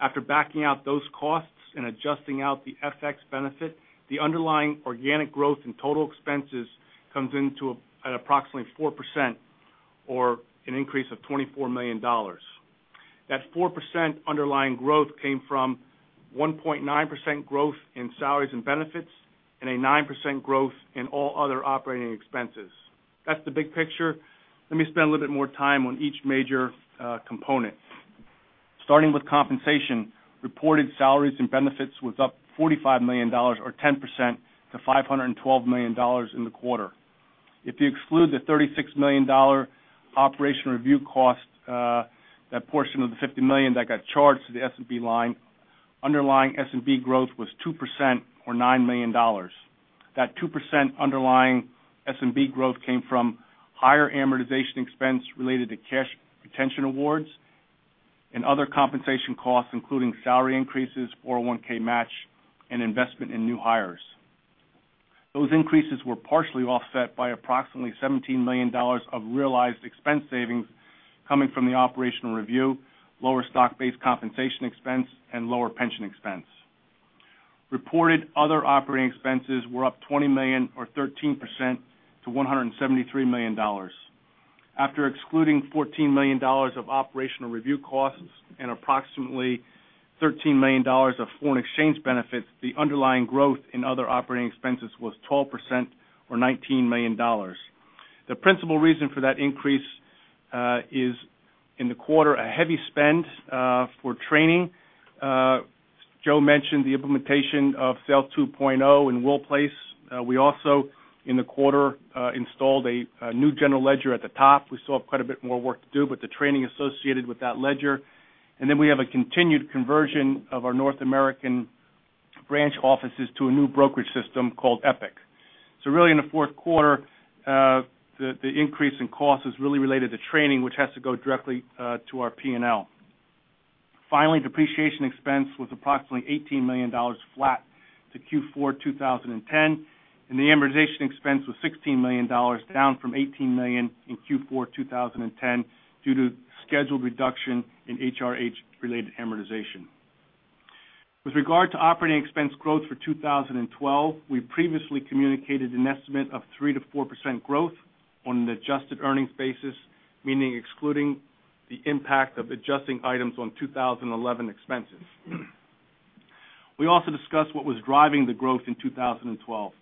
After backing out those costs and adjusting out the FX benefit, the underlying organic growth in total expenses comes in at approximately 4% or an increase of $24 million. That 4% underlying growth came from 1.9% growth in Salaries and Benefits and a 9% growth in all other operating expenses. That's the big picture. Let me spend a little bit more time on each major component. Starting with Compensation, reported Salaries and Benefits was up $45 million or 10% to $512 million in the quarter. If you exclude the $36 million operational review cost, that portion of the $50 million that got charged to the S&B line, underlying S&B growth was 2% or $9 million. That 2% underlying S&B growth came from higher amortization expense related to cash retention awards and other compensation costs, including salary increases, 401(k) match, and investment in new hires. Those increases were partially offset by approximately $17 million of realized expense savings coming from the operational review, lower stock-based compensation expense, and lower pension expense. Reported other operating expenses were up $20 million or 13% to $173 million. After excluding $14 million of operational review costs and approximately $13 million of foreign exchange benefits, the underlying growth in other operating expenses was 12% or $19 million. The principal reason for that increase is in the quarter, a heavy spend for training. Joe mentioned the implementation of Sales 2.0 in WILLPlace. We also, in the quarter, installed a new general ledger at the top. We still have quite a bit more work to do, but the training associated with that ledger. We have a continued conversion of our North American branch offices to a new brokerage system called Applied Epic. Really, in the fourth quarter, the increase in cost is really related to training, which has to go directly to our P&L. Finally, depreciation expense was approximately $18 million flat to Q4 2010, and the amortization expense was $16 million, down from $18 million in Q4 2010 due to scheduled reduction in HRH-related amortization. With regard to operating expense growth for 2012, we previously communicated an estimate of 3%-4% growth on an adjusted earnings basis, meaning excluding the impact of adjusting items on 2011 expenses. We also discussed what was driving the growth in 2012,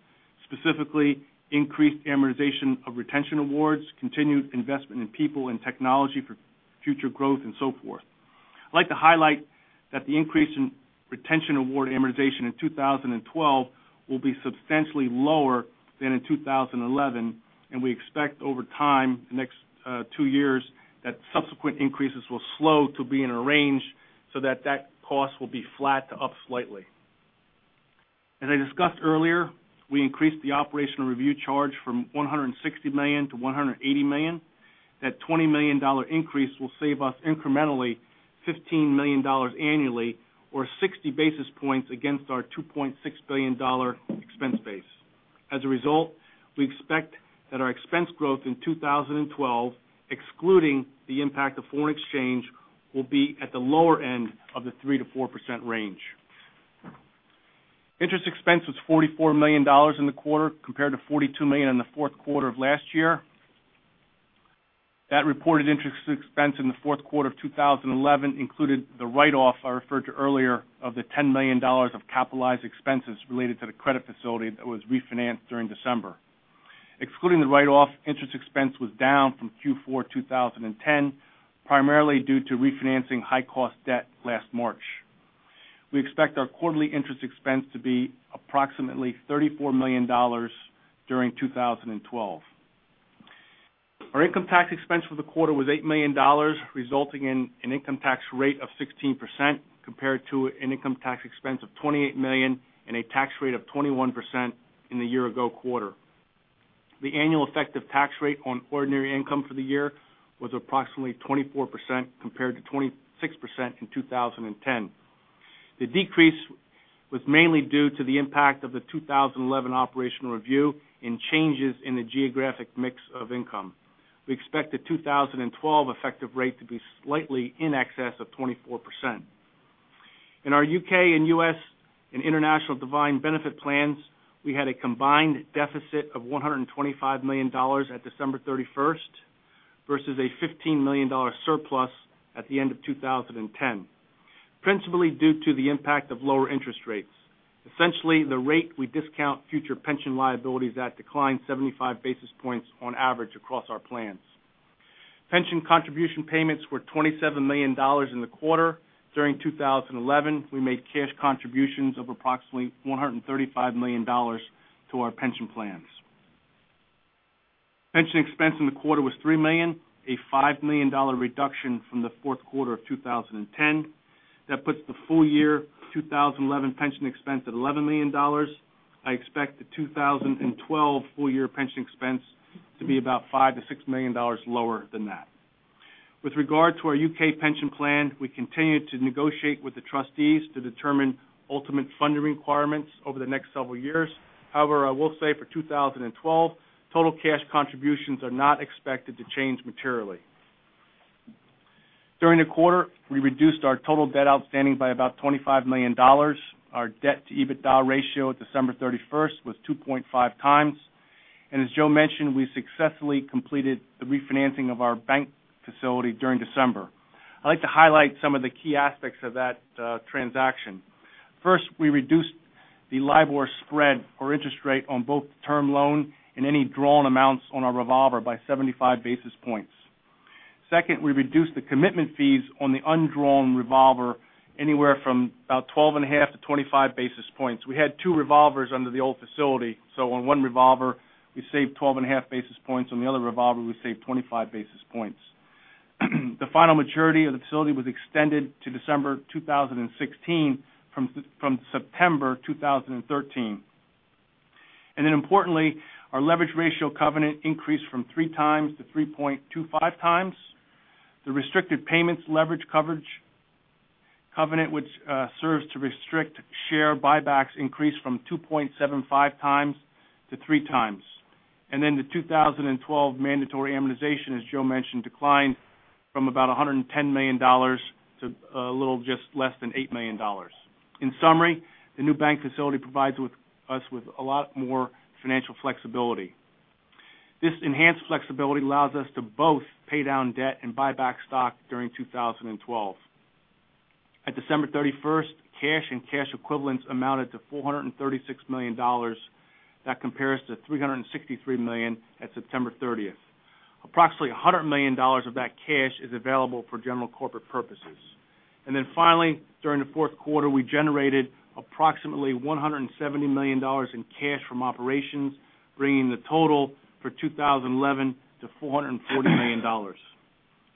specifically increased amortization of retention awards, continued investment in people and technology for future growth, and so forth. I'd like to highlight that the increase in retention award amortization in 2012 will be substantially lower than in 2011, and we expect over time, the next 2 years, that subsequent increases will slow to be in a range so that cost will be flat to up slightly. As I discussed earlier, we increased the operational review charge from $160 million-$180 million. That $20 million increase will save us incrementally $15 million annually or 60 basis points against our $2.6 billion expense base. As a result, we expect that our expense growth in 2012, excluding the impact of foreign exchange, will be at the lower end of the 3%-4% range. Interest expense was $44 million in the quarter, compared to $42 million in the fourth quarter of last year. That reported interest expense in the fourth quarter of 2011 included the write-off I referred to earlier of the $10 million of capitalized expenses related to the credit facility that was refinanced during December. Excluding the write-off, interest expense was down from Q4 2010, primarily due to refinancing high-cost debt last March. We expect our quarterly interest expense to be approximately $34 million during 2012. Our income tax expense for the quarter was $8 million, resulting in an income tax rate of 16%, compared to an income tax expense of $28 million and a tax rate of 21% in the year ago quarter. The annual effective tax rate on ordinary income for the year was approximately 24%, compared to 26% in 2010. The decrease was mainly due to the impact of the 2011 operational review and changes in the geographic mix of income. We expect the 2012 effective rate to be slightly in excess of 24%. In our U.K. and U.S. and international defined benefit plans, we had a combined deficit of $125 million at December 31st versus a $15 million surplus at the end of 2010, principally due to the impact of lower interest rates. Essentially, the rate we discount future pension liabilities at declined 75 basis points on average across our plans. Pension contribution payments were $27 million in the quarter. During 2011, we made cash contributions of approximately $135 million to our pension plans. Pension expense in the quarter was $3 million, a $5 million reduction from the fourth quarter of 2010. That puts the full year 2011 pension expense at $11 million. I expect the 2012 full year pension expense to be about $5 million to $6 million lower than that. With regard to our U.K. pension plan, we continue to negotiate with the trustees to determine ultimate funding requirements over the next several years. However, I will say for 2012, total cash contributions are not expected to change materially. During the quarter, we reduced our total debt outstanding by about $25 million. Our debt to EBITDA ratio at December 31st was 2.5 times. As Joe mentioned, we successfully completed the refinancing of our bank facility during December. I'd like to highlight some of the key aspects of that transaction. First, the LIBOR spread or interest rate on both the term loan and any drawn amounts on our revolver by 75 basis points. Second, we reduced the commitment fees on the undrawn revolver anywhere from about 12 and a half to 25 basis points. We had two revolvers under the old facility. On one revolver, we saved 12 and a half basis points. On the other revolver, we saved 25 basis points. The final maturity of the facility was extended to December 2016 from September 2013. Importantly, our leverage ratio covenant increased from three times to 3.25 times. The restricted payments leverage coverage covenant, which serves to restrict share buybacks, increased from 2.75 times to three times. The 2012 mandatory amortization, as Joe mentioned, declined from about $110 million to just less than $8 million. In summary, the new bank facility provides us with a lot more financial flexibility. This enhanced flexibility allows us to both pay down debt and buy back stock during 2012. At December 31st, cash and cash equivalents amounted to $436 million. That compares to $363 million at September 30th. Approximately $100 million of that cash is available for general corporate purposes. Finally, during the fourth quarter, we generated approximately $170 million in cash from operations, bringing the total for 2011 to $440 million.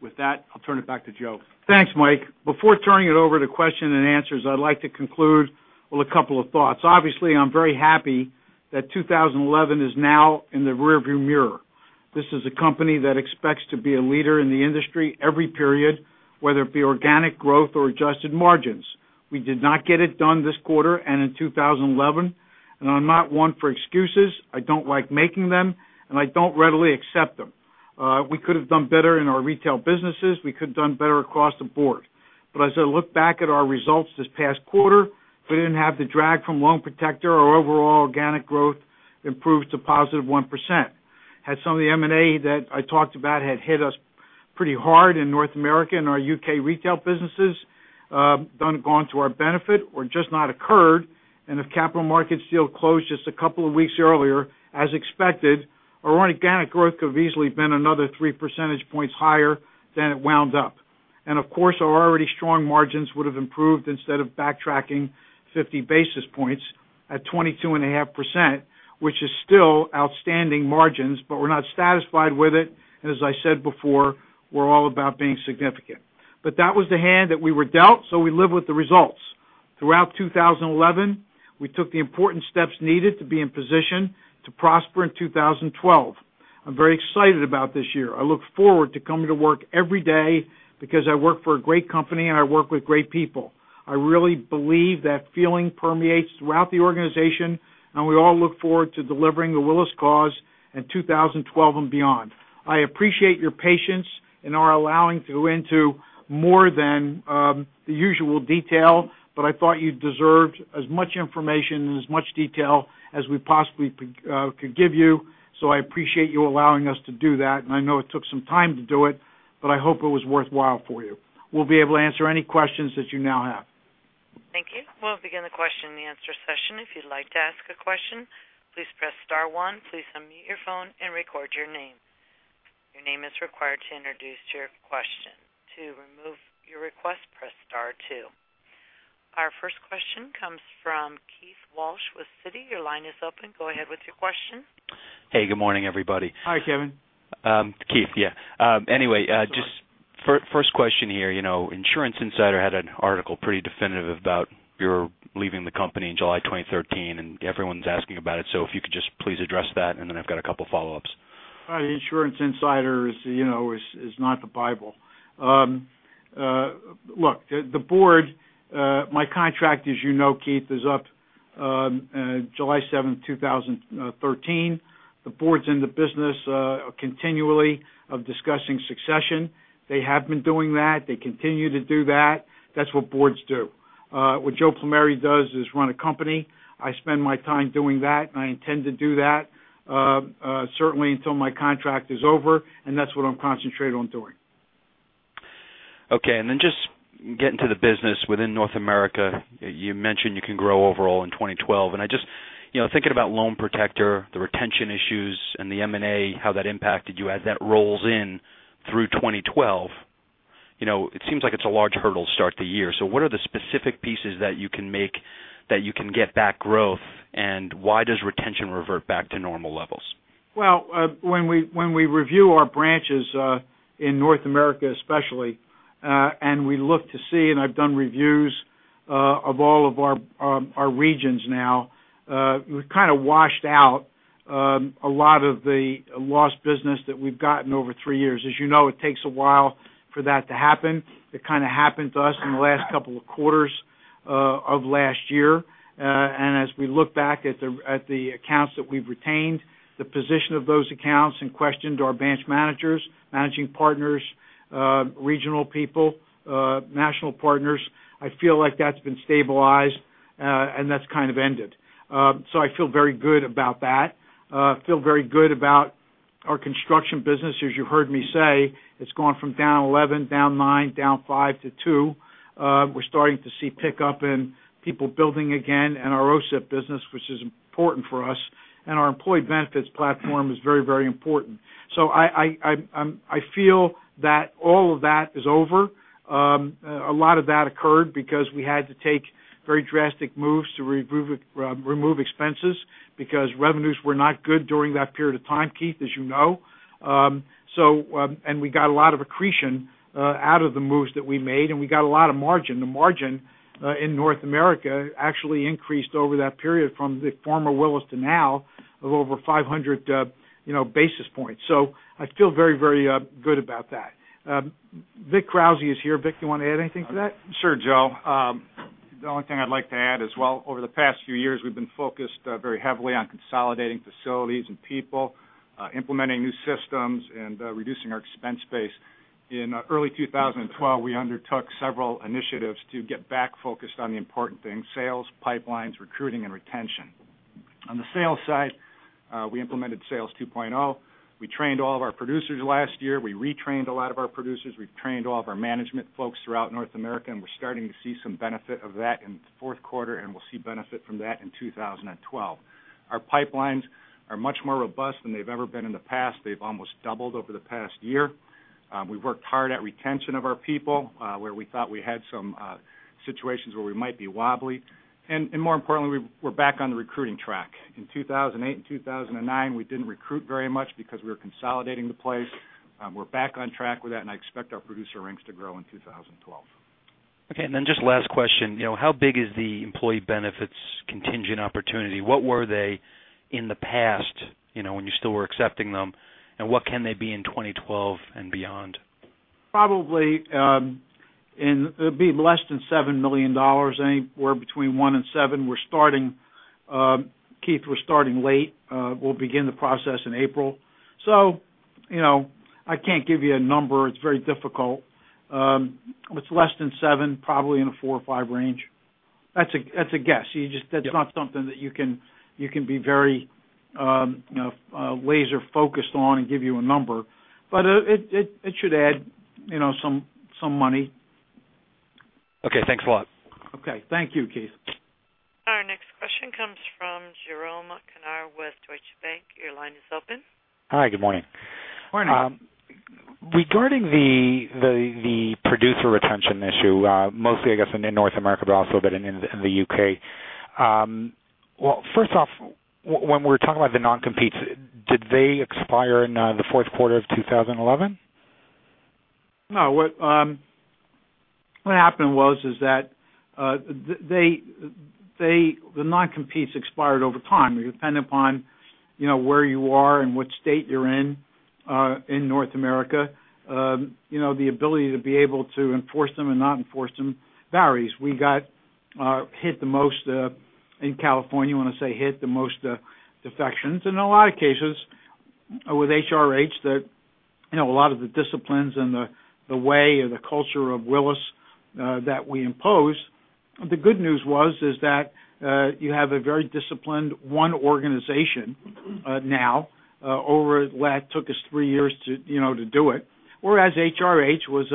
With that, I'll turn it back to Joe. Thanks, Mike. Before turning it over to question and answers, I'd like to conclude with a couple of thoughts. Obviously, I'm very happy that 2011 is now in the rear view mirror. This is a company that expects to be a leader in the industry every period, whether it be organic growth or adjusted margins. We did not get it done this quarter and in 2011, and I'm not one for excuses. I don't like making them, and I don't readily accept them. We could have done better in our retail businesses. We could have done better across the board. As I look back at our results this past quarter, if we didn't have the drag from Loan Protector, our overall organic growth improved to positive 1%. Had some of the M&A that I talked about hit us pretty hard in North America and our U.K. retail businesses, gone to our benefit or just not occurred. If capital markets deal closed just a couple of weeks earlier, as expected, our organic growth could have easily been another three percentage points higher than it wound up. Of course, our already strong margins would have improved instead of backtracking 50 basis points at 22.5%, which is still outstanding margins. We're not satisfied with it, as I said before, we're all about being significant. That was the hand that we were dealt, we live with the results. Throughout 2011, we took the important steps needed to be in position to prosper in 2012. I'm very excited about this year. I look forward to coming to work every day because I work for a great company, I work with great people. I really believe that feeling permeates throughout the organization, we all look forward to delivering the Willis Cause in 2012 and beyond. I appreciate your patience and our allowing to go into more than the usual detail, I thought you deserved as much information and as much detail as we possibly could give you. I appreciate you allowing us to do that, I know it took some time to do it, I hope it was worthwhile for you. We'll be able to answer any questions that you now have. Thank you. We'll begin the question and answer session. If you'd like to ask a question, please press star one, please unmute your phone and record your name. Your name is required to introduce your question. To remove your request, press star two. Our first question comes from Keith Walsh with Citi. Your line is open. Go ahead with your question. Hey, good morning, everybody. Hi, Keith. Just first question here. Insurance Insider had an article pretty definitive about your leaving the company in July 2013. Everyone's asking about it. If you could just please address that, I've got a couple of follow-ups. Insurance Insider is not the Bible. Look, the board, my contract, as you know, Keith, is up July 7th, 2013. The board's in the business continually of discussing succession. They have been doing that. They continue to do that. That's what boards do. What Joe Plumeri does is run a company. I spend my time doing that. I intend to do that certainly until my contract is over. That's what I'm concentrated on doing. Okay, just getting to the business within North America, you mentioned you can grow overall in 2012. Thinking about Loan Protector, the retention issues, the M&A, how that impacted you as that rolls in through 2012, it seems like it's a large hurdle to start the year. What are the specific pieces that you can make that you can get back growth, why does retention revert back to normal levels? When we review our branches in North America, especially, and we look to see, and I've done reviews of all of our regions now, we kind of washed out a lot of the lost business that we've gotten over three years. As you know, it takes a while for that to happen. It kind of happened to us in the last couple of quarters of last year. As we look back at the accounts that we've retained, the position of those accounts and questioned our branch managers, managing partners, regional people, national partners, I feel like that's been stabilized, and that's kind of ended. I feel very good about that. I feel very good about our construction business, as you heard me say, it's gone from down 11, down nine, down five to two. We're starting to see pickup in people building again and our OCIP business, which is important for us, and our employee benefits platform is very important. I feel that all of that is over. A lot of that occurred because we had to take very drastic moves to remove expenses because revenues were not good during that period of time, Keith, as you know. We got a lot of accretion out of the moves that we made, and we got a lot of margin. The margin in North America actually increased over that period from the former Willis to now of over 500 basis points. I feel very good about that. Vic Krauze is here. Vic, do you want to add anything to that? Sure, Joe. The only thing I'd like to add as well, over the past few years, we've been focused very heavily on consolidating facilities and people, implementing new systems, and reducing our expense base. In early 2012, we undertook several initiatives to get back focused on the important things, sales, pipelines, recruiting, and retention. On the sales side, we implemented Sales 2.0. We trained all of our producers last year. We retrained a lot of our producers. We've trained all of our management folks throughout North America, and we're starting to see some benefit of that in the fourth quarter, and we'll see benefit from that in 2012. Our pipelines are much more robust than they've ever been in the past. They've almost doubled over the past year. We've worked hard at retention of our people, where we thought we had some situations where we might be wobbly. More importantly, we're back on the recruiting track. In 2008 and 2009, we didn't recruit very much because we were consolidating the place. We're back on track with that, and I expect our producer ranks to grow in 2012. Okay, just last question. How big is the employee benefits contingent opportunity? What were they in the past when you still were accepting them, and what can they be in 2012 and beyond? Probably, it'd be less than $7 million, anywhere between one and seven. Keith, we're starting late. We'll begin the process in April. I can't give you a number. It's very difficult. It's less than seven, probably in the four or five range. That's a guess. That's not something that you can be very laser-focused on and give you a number. It should add some money. Okay, thanks a lot. Okay. Thank you, Keith. Our next question comes from Jerome Canard with Deutsche Bank. Your line is open. Hi, good morning. Morning. Regarding the producer retention issue, mostly, I guess, in North America, but also a bit in the U.K. First off, when we're talking about the non-competes, did they expire in the fourth quarter of 2011? No. What happened was is that the non-competes expired over time. Depending upon where you are and which state you're in North America, the ability to be able to enforce them and not enforce them varies. We got hit the most in California, when I say hit the most defections, in a lot of cases with HRH that a lot of the disciplines and the way or the culture of Willis that we impose, the good news was is that you have a very disciplined one organization now over, well, that took us three years to do it. Whereas HRH was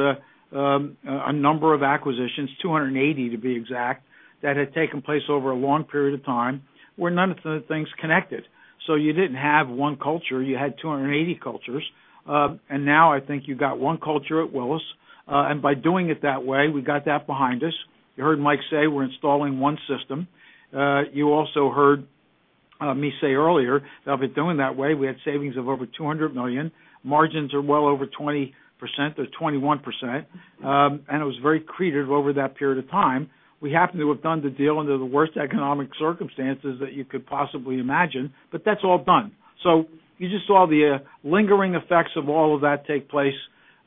a number of acquisitions, 280 to be exact, that had taken place over a long period of time where none of the things connected. You didn't have one culture, you had 280 cultures. Now I think you got one culture at Willis. By doing it that way, we got that behind us. You heard Mike say we're installing one system. You also heard me say earlier that by doing that way, we had savings of over $200 million. Margins are well over 20%, they're 21%, and it was very accretive over that period of time. We happened to have done the deal under the worst economic circumstances that you could possibly imagine, that's all done. You just saw the lingering effects of all of that take place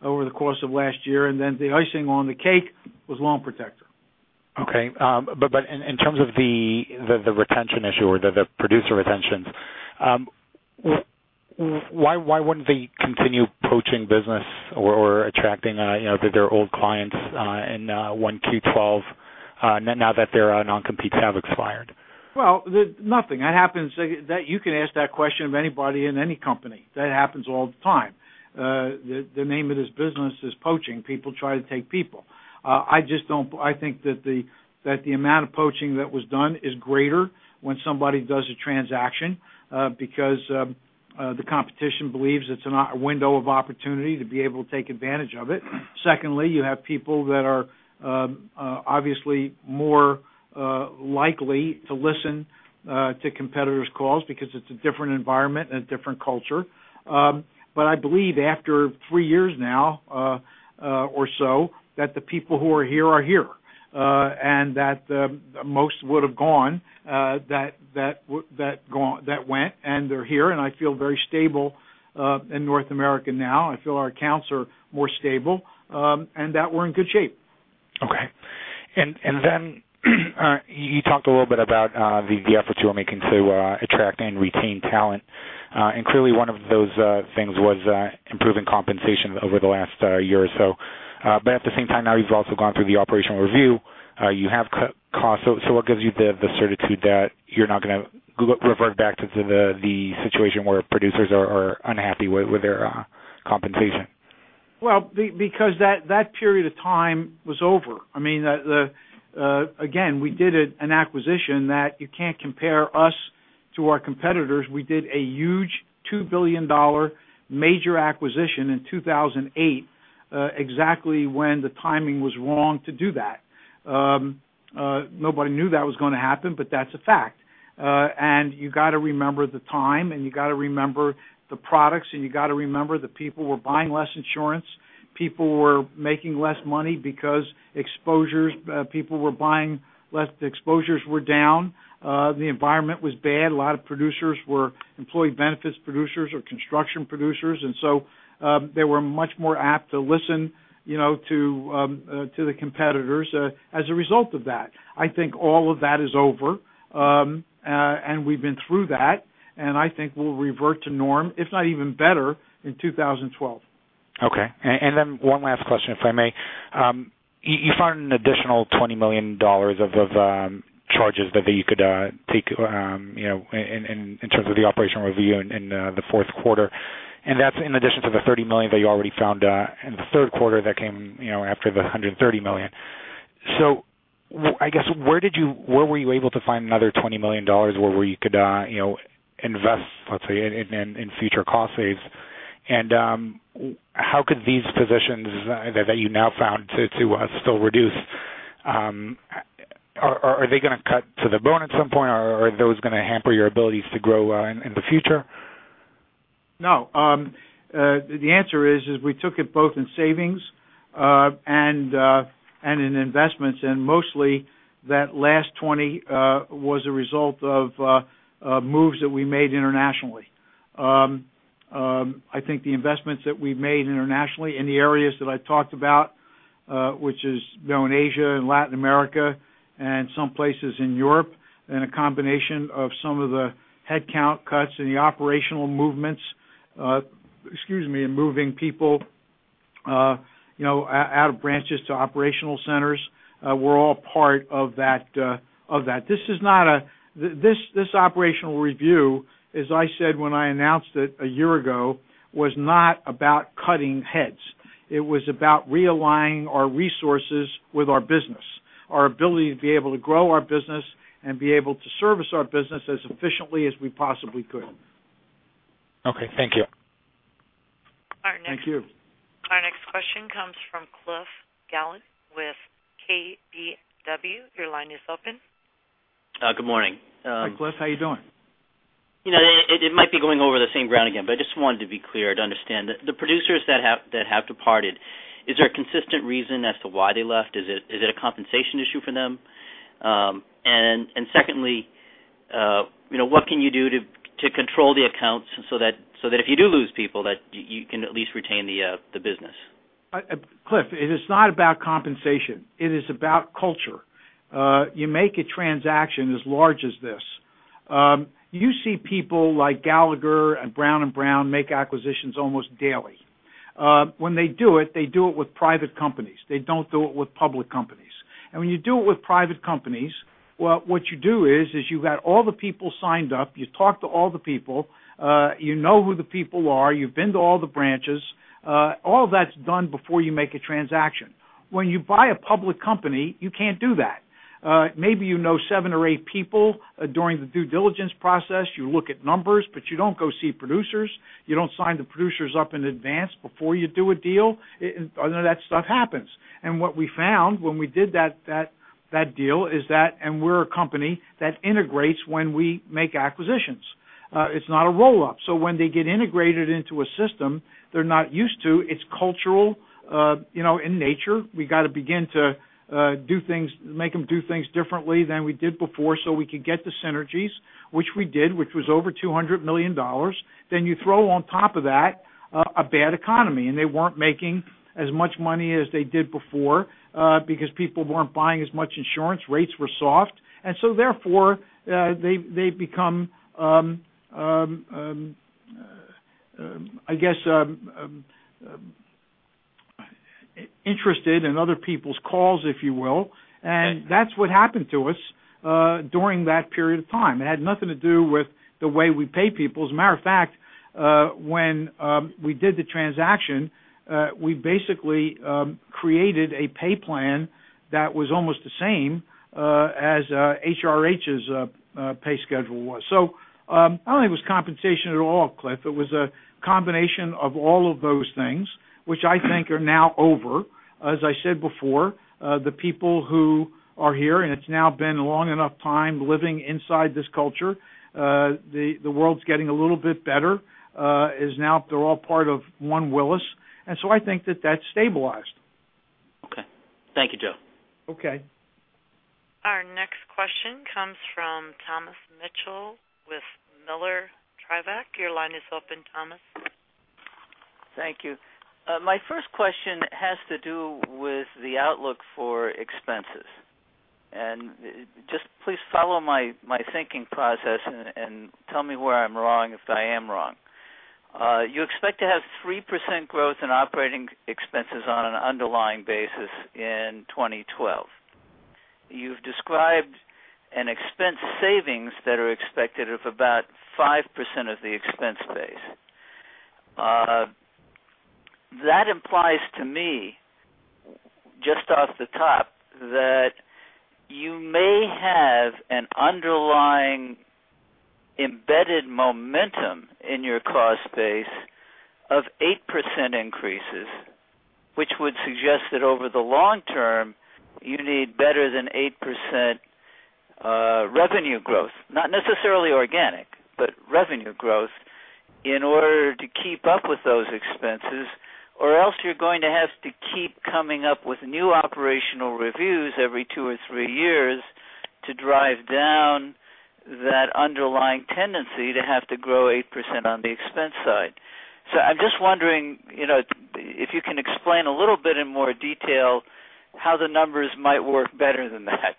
over the course of last year, and then the icing on the cake was Loan Protector. Okay. In terms of the retention issue or the producer retentions, why wouldn't they continue poaching business or attracting their old clients in 1Q12, now that their non-competes have expired? Well, nothing. You can ask that question of anybody in any company. That happens all the time. The name of this business is poaching. People try to take people. I think that the amount of poaching that was done is greater when somebody does a transaction, because the competition believes it's a window of opportunity to be able to take advantage of it. Secondly, you have people that are obviously more likely to listen to competitors' calls because it's a different environment and a different culture. I believe after three years now or so, that the people who are here are here, and that most would have gone, that went, and they're here, and I feel very stable in North America now. I feel our accounts are more stable, and that we're in good shape. Okay. You talked a little bit about the efforts you are making to attract and retain talent. Clearly one of those things was improving compensation over the last year or so. At the same time now, you've also gone through the operational review. You have cut costs. What gives you the certitude that you're not going to revert back to the situation where producers are unhappy with their compensation? Well, because that period of time was over. Again, we did an acquisition that you can't compare us to our competitors. We did a huge $2 billion major acquisition in 2008, exactly when the timing was wrong to do that. Nobody knew that was going to happen, but that's a fact. You got to remember the time, and you got to remember the products, and you got to remember the people were buying less insurance. People were making less money because exposures, people were buying less, the exposures were down. The environment was bad. A lot of producers were employee benefits producers or construction producers, so, they were much more apt to listen to the competitors as a result of that. I think all of that is over, and we've been through that, and I think we'll revert to norm, if not even better, in 2012. Okay. One last question, if I may. You found an additional $20 million of charges that you could take, in terms of the operational review in the fourth quarter, and that's in addition to the $30 million that you already found in the third quarter that came after the $130 million. I guess, where were you able to find another $20 million where you could invest, let's say, in future cost saves? How could these positions that you now found to still reduce, are they going to cut to the bone at some point, or are those going to hamper your abilities to grow in the future? No. The answer is, we took it both in savings and in investments, mostly that last 20 was a result of moves that we made internationally. I think the investments that we've made internationally in the areas that I talked about, which is Asia and Latin America and some places in Europe, a combination of some of the headcount cuts and the operational movements, excuse me, in moving people out of branches to operational centers, were all part of that. This operational review, as I said when I announced it a year ago, was not about cutting heads. It was about realigning our resources with our business, our ability to be able to grow our business and be able to service our business as efficiently as we possibly could. Okay, thank you. Thank you. Our next question comes from Cliff Gallant with KBW. Your line is open. Good morning. Hi, Cliff. How you doing? It might be going over the same ground again, but I just wanted to be clear to understand. The producers that have departed, is there a consistent reason as to why they left? Is it a compensation issue for them? Secondly, what can you do to control the accounts so that if you do lose people, that you can at least retain the business? Cliff, it is not about compensation. It is about culture. You make a transaction as large as this. You see people like Gallagher and Brown & Brown make acquisitions almost daily. When they do it, they do it with private companies. They don't do it with public companies. When you do it with private companies, well, what you do is you've got all the people signed up, you talk to all the people, you know who the people are, you've been to all the branches. All of that's done before you make a transaction. When you buy a public company, you can't do that. Maybe you know seven or eight people during the due diligence process. You look at numbers, but you don't go see producers. You don't sign the producers up in advance before you do a deal. None of that stuff happens. What we found when we did that deal is that, we're a company that integrates when we make acquisitions. It's not a roll-up. When they get integrated into a system they're not used to, it's cultural in nature. We got to begin to make them do things differently than we did before so we could get the synergies, which we did, which was over $200 million. You throw on top of that a bad economy, they weren't making as much money as they did before, because people weren't buying as much insurance, rates were soft, therefore, they've become, I guess, interested in other people's calls, if you will, that's what happened to us during that period of time. It had nothing to do with the way we pay people. As a matter of fact, when we did the transaction, we basically created a pay plan that was almost the same as HRH's pay schedule was. I don't think it was compensation at all, Cliff. It was a combination of all of those things, which I think are now over. As I said before, the people who are here, it's now been a long enough time living inside this culture, the world's getting a little bit better, is now they're all part of one Willis, I think that that's stabilized. Okay. Thank you, Joe. Okay. Our next question comes from Thomas Mitchell with Miller Tabak. Your line is open, Thomas. Thank you. My first question has to do with the outlook for expenses Just please follow my thinking process and tell me where I'm wrong, if I am wrong. You expect to have 3% growth in operating expenses on an underlying basis in 2012. You've described an expense savings that are expected of about 5% of the expense base. That implies to me, just off the top, that you may have an underlying embedded momentum in your cost base of 8% increases, which would suggest that over the long term, you need better than 8% revenue growth, not necessarily organic, but revenue growth in order to keep up with those expenses, or else you're going to have to keep coming up with new operational reviews every two or three years to drive down that underlying tendency to have to grow 8% on the expense side. I'm just wondering, if you can explain a little bit in more detail how the numbers might work better than that.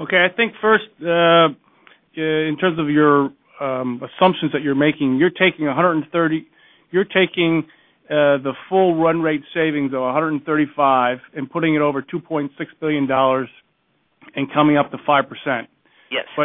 Okay. I think first, in terms of your assumptions that you're making, you're taking the full run rate savings of $135 and putting it over $2.6 billion and coming up to 5%. Yes.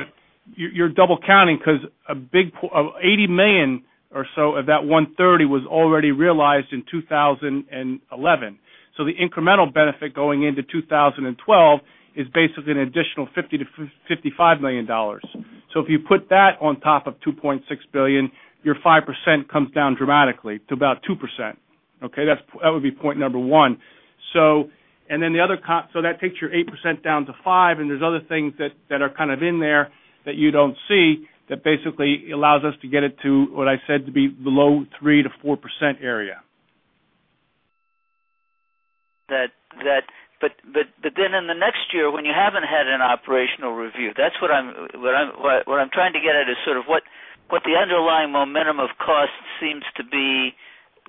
You're double counting because $80 million or so of that $130 was already realized in 2011. The incremental benefit going into 2012 is basically an additional $50 million-$55 million. If you put that on top of $2.6 billion, your 5% comes down dramatically to about 2%. Okay? That would be point 1. That takes your 8% down to five, and there's other things that are kind of in there that you don't see that basically allows us to get it to what I said to be below 3%-4% area. In the next year, when you haven't had an operational review, what I'm trying to get at is sort of what the underlying momentum of costs seems to be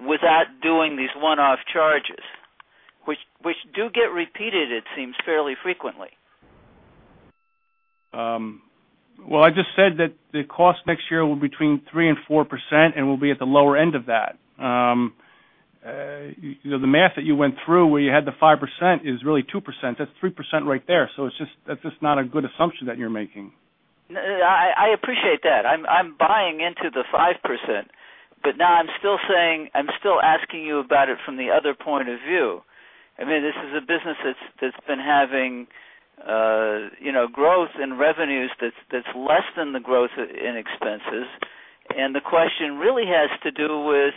without doing these one-off charges, which do get repeated, it seems fairly frequently. I just said that the cost next year will be between 3% and 4%, and we'll be at the lower end of that. The math that you went through where you had the 5% is really 2%. That's 3% right there. That's just not a good assumption that you're making. I appreciate that. I'm buying into the 5%, but now I'm still asking you about it from the other point of view. I mean, this is a business that's been having growth in revenues that's less than the growth in expenses. The question really has to do with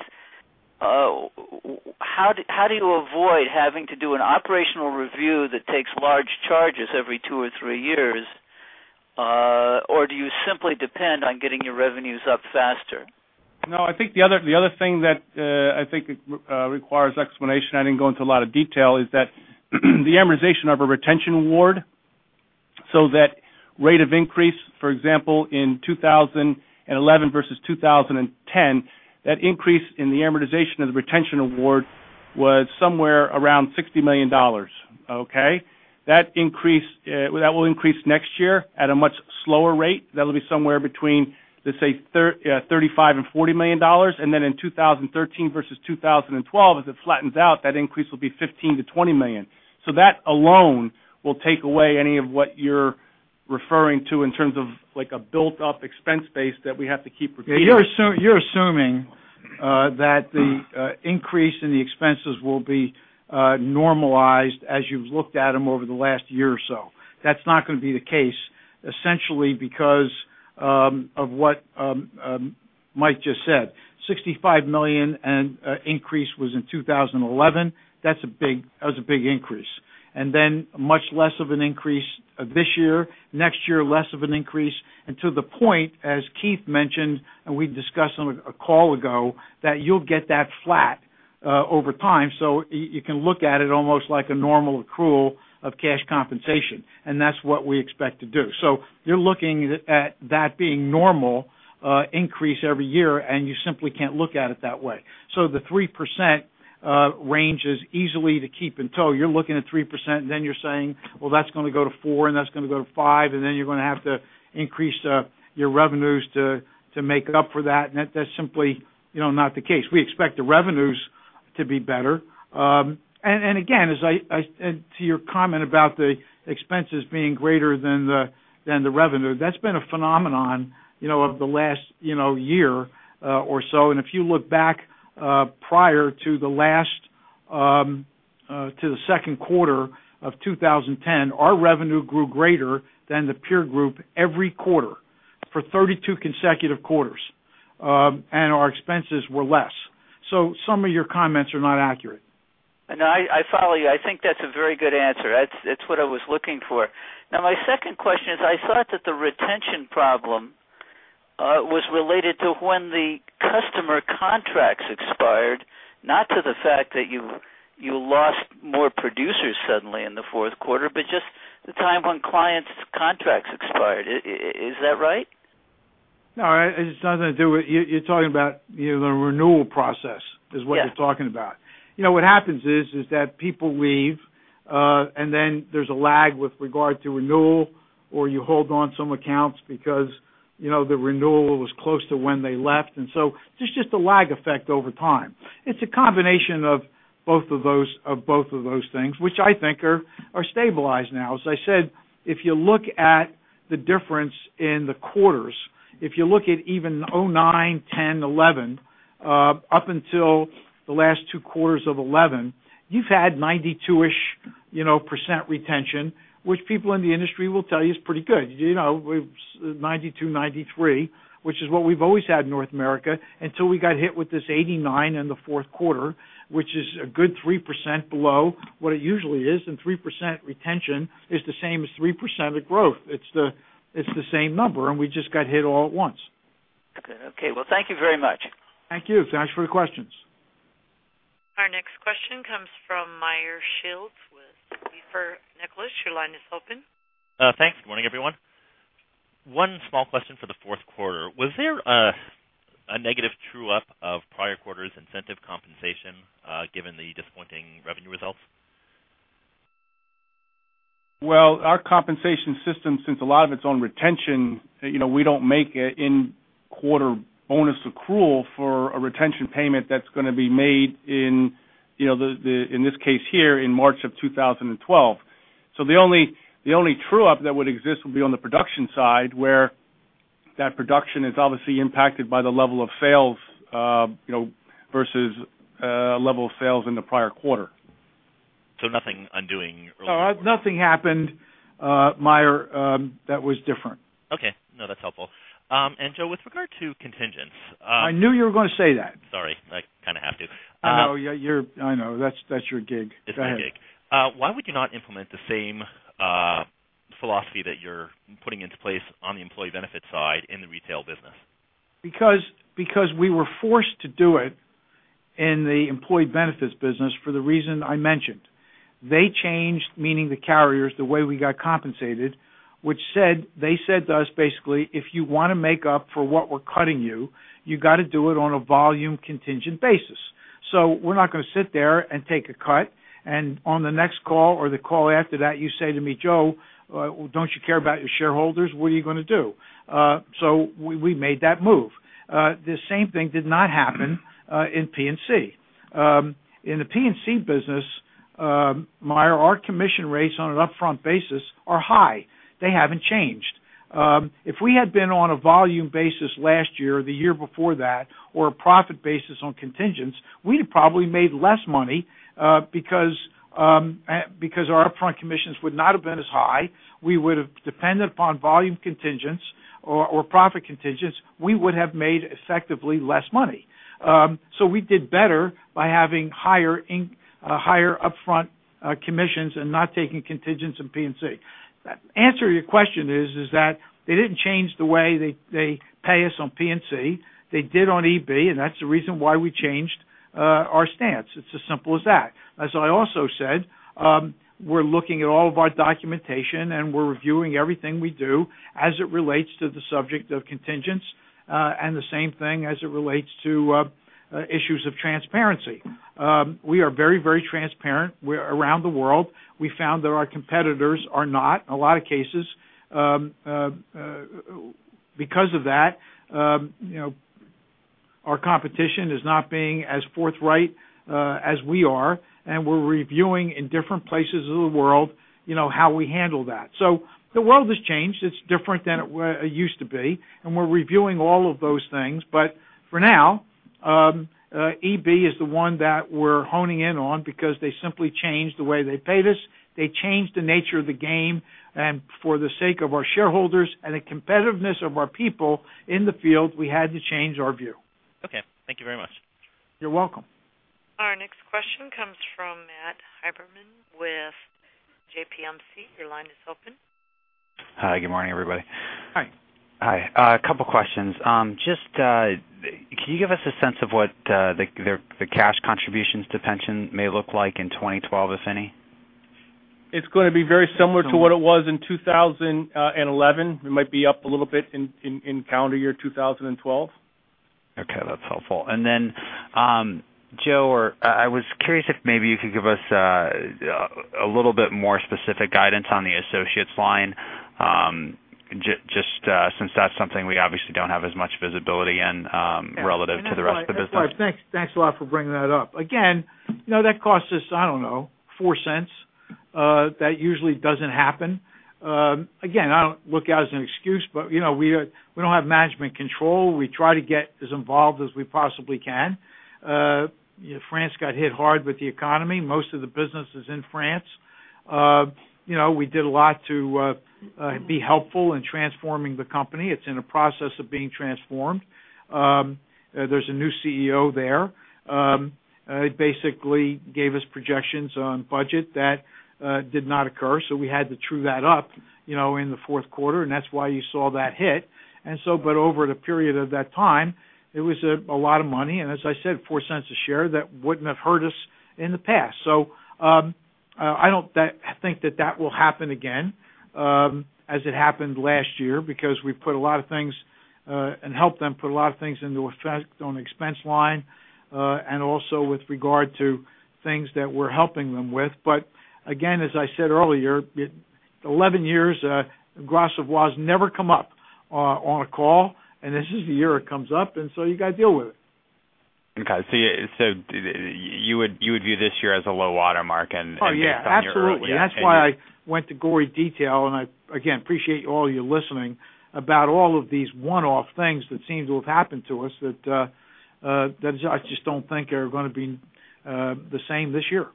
how do you avoid having to do an operational review that takes large charges every two or three years? Do you simply depend on getting your revenues up faster? I think the other thing that I think requires explanation, I didn't go into a lot of detail, is that the amortization of a retention award, so that rate of increase, for example, in 2011 versus 2010, that increase in the amortization of the retention award was somewhere around $60 million. Okay? That will increase next year at a much slower rate. That'll be somewhere between, let's say, $35 and $40 million. In 2013 versus 2012, as it flattens out, that increase will be $15 to $20 million. That alone will take away any of what you're referring to in terms of a built-up expense base that we have to keep repeating. You're assuming that the increase in the expenses will be normalized as you've looked at them over the last year or so. That's not going to be the case, essentially because of what Mike just said. $65 million increase was in 2011. That was a big increase. Then much less of an increase this year. Next year, less of an increase. Until the point, as Keith mentioned, and we discussed on a call ago, that you'll get that flat over time. You can look at it almost like a normal accrual of cash compensation, and that's what we expect to do. You're looking at that being normal increase every year, and you simply can't look at it that way. The 3% range is easily to keep in tow. You're looking at 3%, then you're saying, "Well, that's going to go to four, that's going to go to five, then you're going to have to increase your revenues to make up for that." That's simply not the case. We expect the revenues to be better. Again, to your comment about the expenses being greater than the revenue, that's been a phenomenon of the last year or so. If you look back prior to the second quarter of 2010, our revenue grew greater than the peer group every quarter for 32 consecutive quarters. Our expenses were less. Some of your comments are not accurate. I follow you. I think that's a very good answer. That's what I was looking for. My second question is, I thought that the retention problem was related to when the customer contracts expired, not to the fact that you lost more producers suddenly in the fourth quarter, but just the time when clients' contracts expired. Is that right? No, it's nothing to do with. You're talking about the renewal process. Yes is what you're talking about. What happens is that people leave, then there's a lag with regard to renewal, or you hold on some accounts because the renewal was close to when they left. Just the lag effect over time. It's a combination of both of those things, which I think are stabilized now. As I said, if you look at the difference in the quarters. If you look at even 2009, 2010, 2011, up until the last two quarters of 2011, you've had 92-ish% retention, which people in the industry will tell you is pretty good. 92, 93, which is what we've always had in North America until we got hit with this 89 in the fourth quarter, which is a good 3% below what it usually is, 3% retention is the same as 3% of growth. It's the same number, we just got hit all at once. Okay. Well, thank you very much. Thank you. Thanks for the questions. Our next question comes from Meyer Shields with Stifel Nicolaus. Your line is open. Thanks. Good morning, everyone. One small question for the fourth quarter. Was there a negative true-up of prior quarter's incentive compensation, given the disappointing revenue results? Well, our compensation system, since a lot of it's on retention, we don't make an in-quarter bonus accrual for a retention payment that's going to be made in this case here in March of 2012. The only true-up that would exist would be on the production side, where that production is obviously impacted by the level of sales versus level of sales in the prior quarter. Nothing undoing earlier- Nothing happened, Meyer, that was different. Okay. No, that's helpful. Joe, with regard to contingents- I knew you were going to say that. Sorry. I kind of have to. I know. That's your gig. Go ahead. It's my gig. Why would you not implement the same philosophy that you're putting into place on the employee benefit side in the retail business? We were forced to do it in the employee benefits business for the reason I mentioned. They changed, meaning the carriers, the way we got compensated, which said, they said to us, basically, "If you want to make up for what we're cutting you got to do it on a volume contingent basis." We're not going to sit there and take a cut, and on the next call or the call after that, you say to me, "Joe, don't you care about your shareholders? What are you going to do?" We made that move. The same thing did not happen in P&C. In the P&C business, Meyer, our commission rates on an upfront basis are high. They haven't changed. If we had been on a volume basis last year or the year before that, or a profit basis on contingents, we'd have probably made less money, because our upfront commissions would not have been as high. We would have depended upon volume contingents or profit contingents. We would have made effectively less money. We did better by having higher upfront commissions and not taking contingents in P&C. The answer to your question is that they didn't change the way they pay us on P&C. They did on EB, and that's the reason why we changed our stance. It's as simple as that. As I also said, we're looking at all of our documentation, and we're reviewing everything we do as it relates to the subject of contingents, and the same thing as it relates to issues of transparency. We are very, very transparent around the world. We found that our competitors are not, in a lot of cases. Of that, our competition is not being as forthright as we are, and we're reviewing in different places of the world, how we handle that. The world has changed. It's different than it used to be, and we're reviewing all of those things. For now, EB is the one that we're honing in on because they simply changed the way they pay us. They changed the nature of the game, and for the sake of our shareholders and the competitiveness of our people in the field, we had to change our view. Okay. Thank you very much. You're welcome. Our next question comes from Matt Haberman with JPMC. Your line is open. Hi, good morning, everybody. Hi. Hi. A couple questions. Just can you give us a sense of what the cash contributions to pension may look like in 2012, if any? It's going to be very similar to what it was in 2011. It might be up a little bit in calendar year 2012. Okay, that's helpful. Then, Joe, I was curious if maybe you could give us a little bit more specific guidance on the associates line, just since that's something we obviously don't have as much visibility in relative to the rest of the business. That's fine. Thanks a lot for bringing that up. Again, that cost us, I don't know, $0.04. That usually doesn't happen. Again, I don't look at it as an excuse, but we don't have management control. We try to get as involved as we possibly can. France got hit hard with the economy, most of the businesses in France. We did a lot to be helpful in transforming the company. It's in the process of being transformed. There's a new CEO there. It basically gave us projections on budget that did not occur, so we had to true that up in the fourth quarter, and that's why you saw that hit. But over the period of that time, it was a lot of money, and as I said, $0.04 a share, that wouldn't have hurt us in the past. I don't think that that will happen again as it happened last year, because we put a lot of things and helped them put a lot of things into effect on the expense line, and also with regard to things that we're helping them with. Again, as I said earlier, 11 years, Gras Savoye never come up on a call, and this is the year it comes up. You got to deal with it. Okay. You would view this year as a low water mark and based on your. Oh, yeah. Absolutely. That's why I went to gory detail, and I, again, appreciate all of you listening about all of these one-off things that seem to have happened to us that I just don't think are going to be the same this year.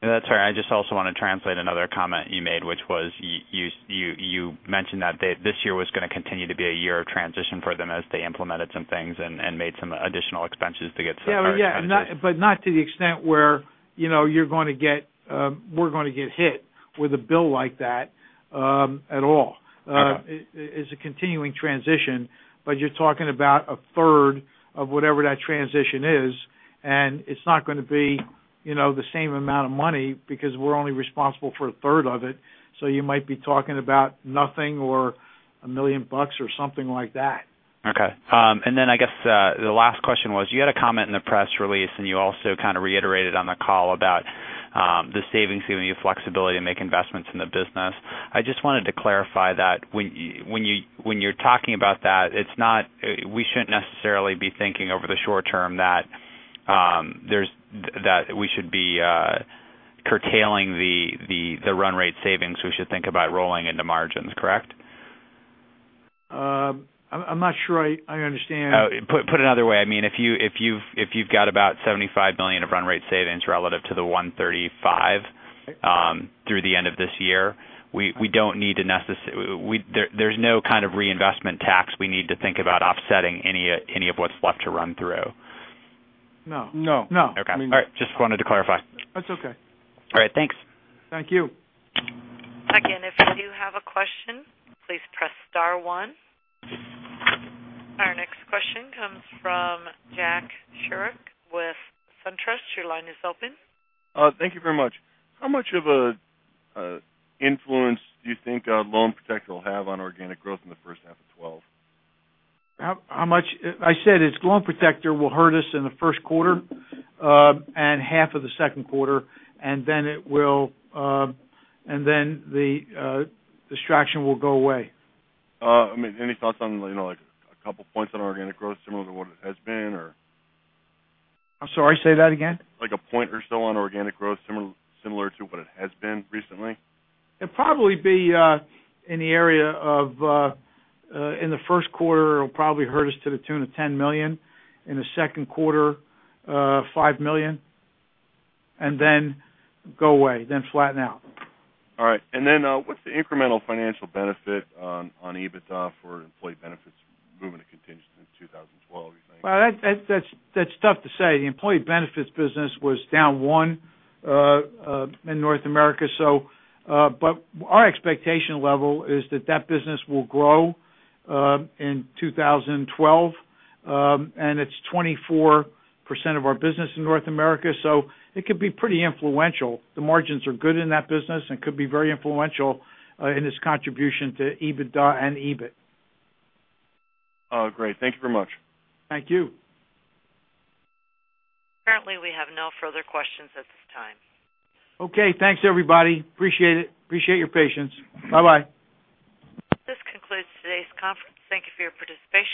That's all right. I just also want to translate another comment you made, which was, you mentioned that this year was going to continue to be a year of transition for them as they implemented some things and made some additional expenses to get to that transition. Yeah. Not to the extent where we're gonna get hit with a bill like that, at all. Okay. It's a continuing transition, but you're talking about a third of whatever that transition is, and it's not going to be the same amount of money, because we're only responsible for a third of it. You might be talking about nothing or $1 million bucks or something like that. Okay. I guess, the last question was, you had a comment in the press release, you also kind of reiterated on the call about the savings giving you flexibility to make investments in the business. I just wanted to clarify that when you're talking about that, we shouldn't necessarily be thinking over the short term that we should be curtailing the run rate savings, we should think about rolling into margins, correct? I'm not sure I understand. Put another way, if you've got about $75 million of run rate savings relative to the $135 through the end of this year, there's no kind of reinvestment tax we need to think about offsetting any of what's left to run through. No. Okay. All right. Just wanted to clarify. That's okay. All right. Thanks. Thank you. Again, if you do have a question, please press star one. Our next question comes from Jack Shirak with SunTrust. Your line is open. Thank you very much. How much of an influence do you think Loan Protector will have on organic growth in the first half of 2012? How much? I said it's Loan Protector will hurt us in the first quarter, and half of the second quarter, and then the distraction will go away. Any thoughts on a couple of points on organic growth similar to what it has been or? I'm sorry. Say that again. Like a point or so on organic growth similar to what it has been recently? It'll probably be in the area of, in the first quarter, it'll probably hurt us to the tune of $10 million. In the second quarter, $5 million. Then go away, then flatten out. All right. What's the incremental financial benefit on EBITDA for employee benefits moving to contingent in 2012, you think? Well, that's tough to say. The employee benefits business was down one in North America. Our expectation level is that that business will grow in 2012. It's 24% of our business in North America, it could be pretty influential. The margins are good in that business and could be very influential in its contribution to EBITDA and EBIT. Oh, great. Thank you very much. Thank you. Currently, we have no further questions at this time. Okay. Thanks, everybody. Appreciate it. Appreciate your patience. Bye-bye. This concludes today's conference. Thank you for your participation.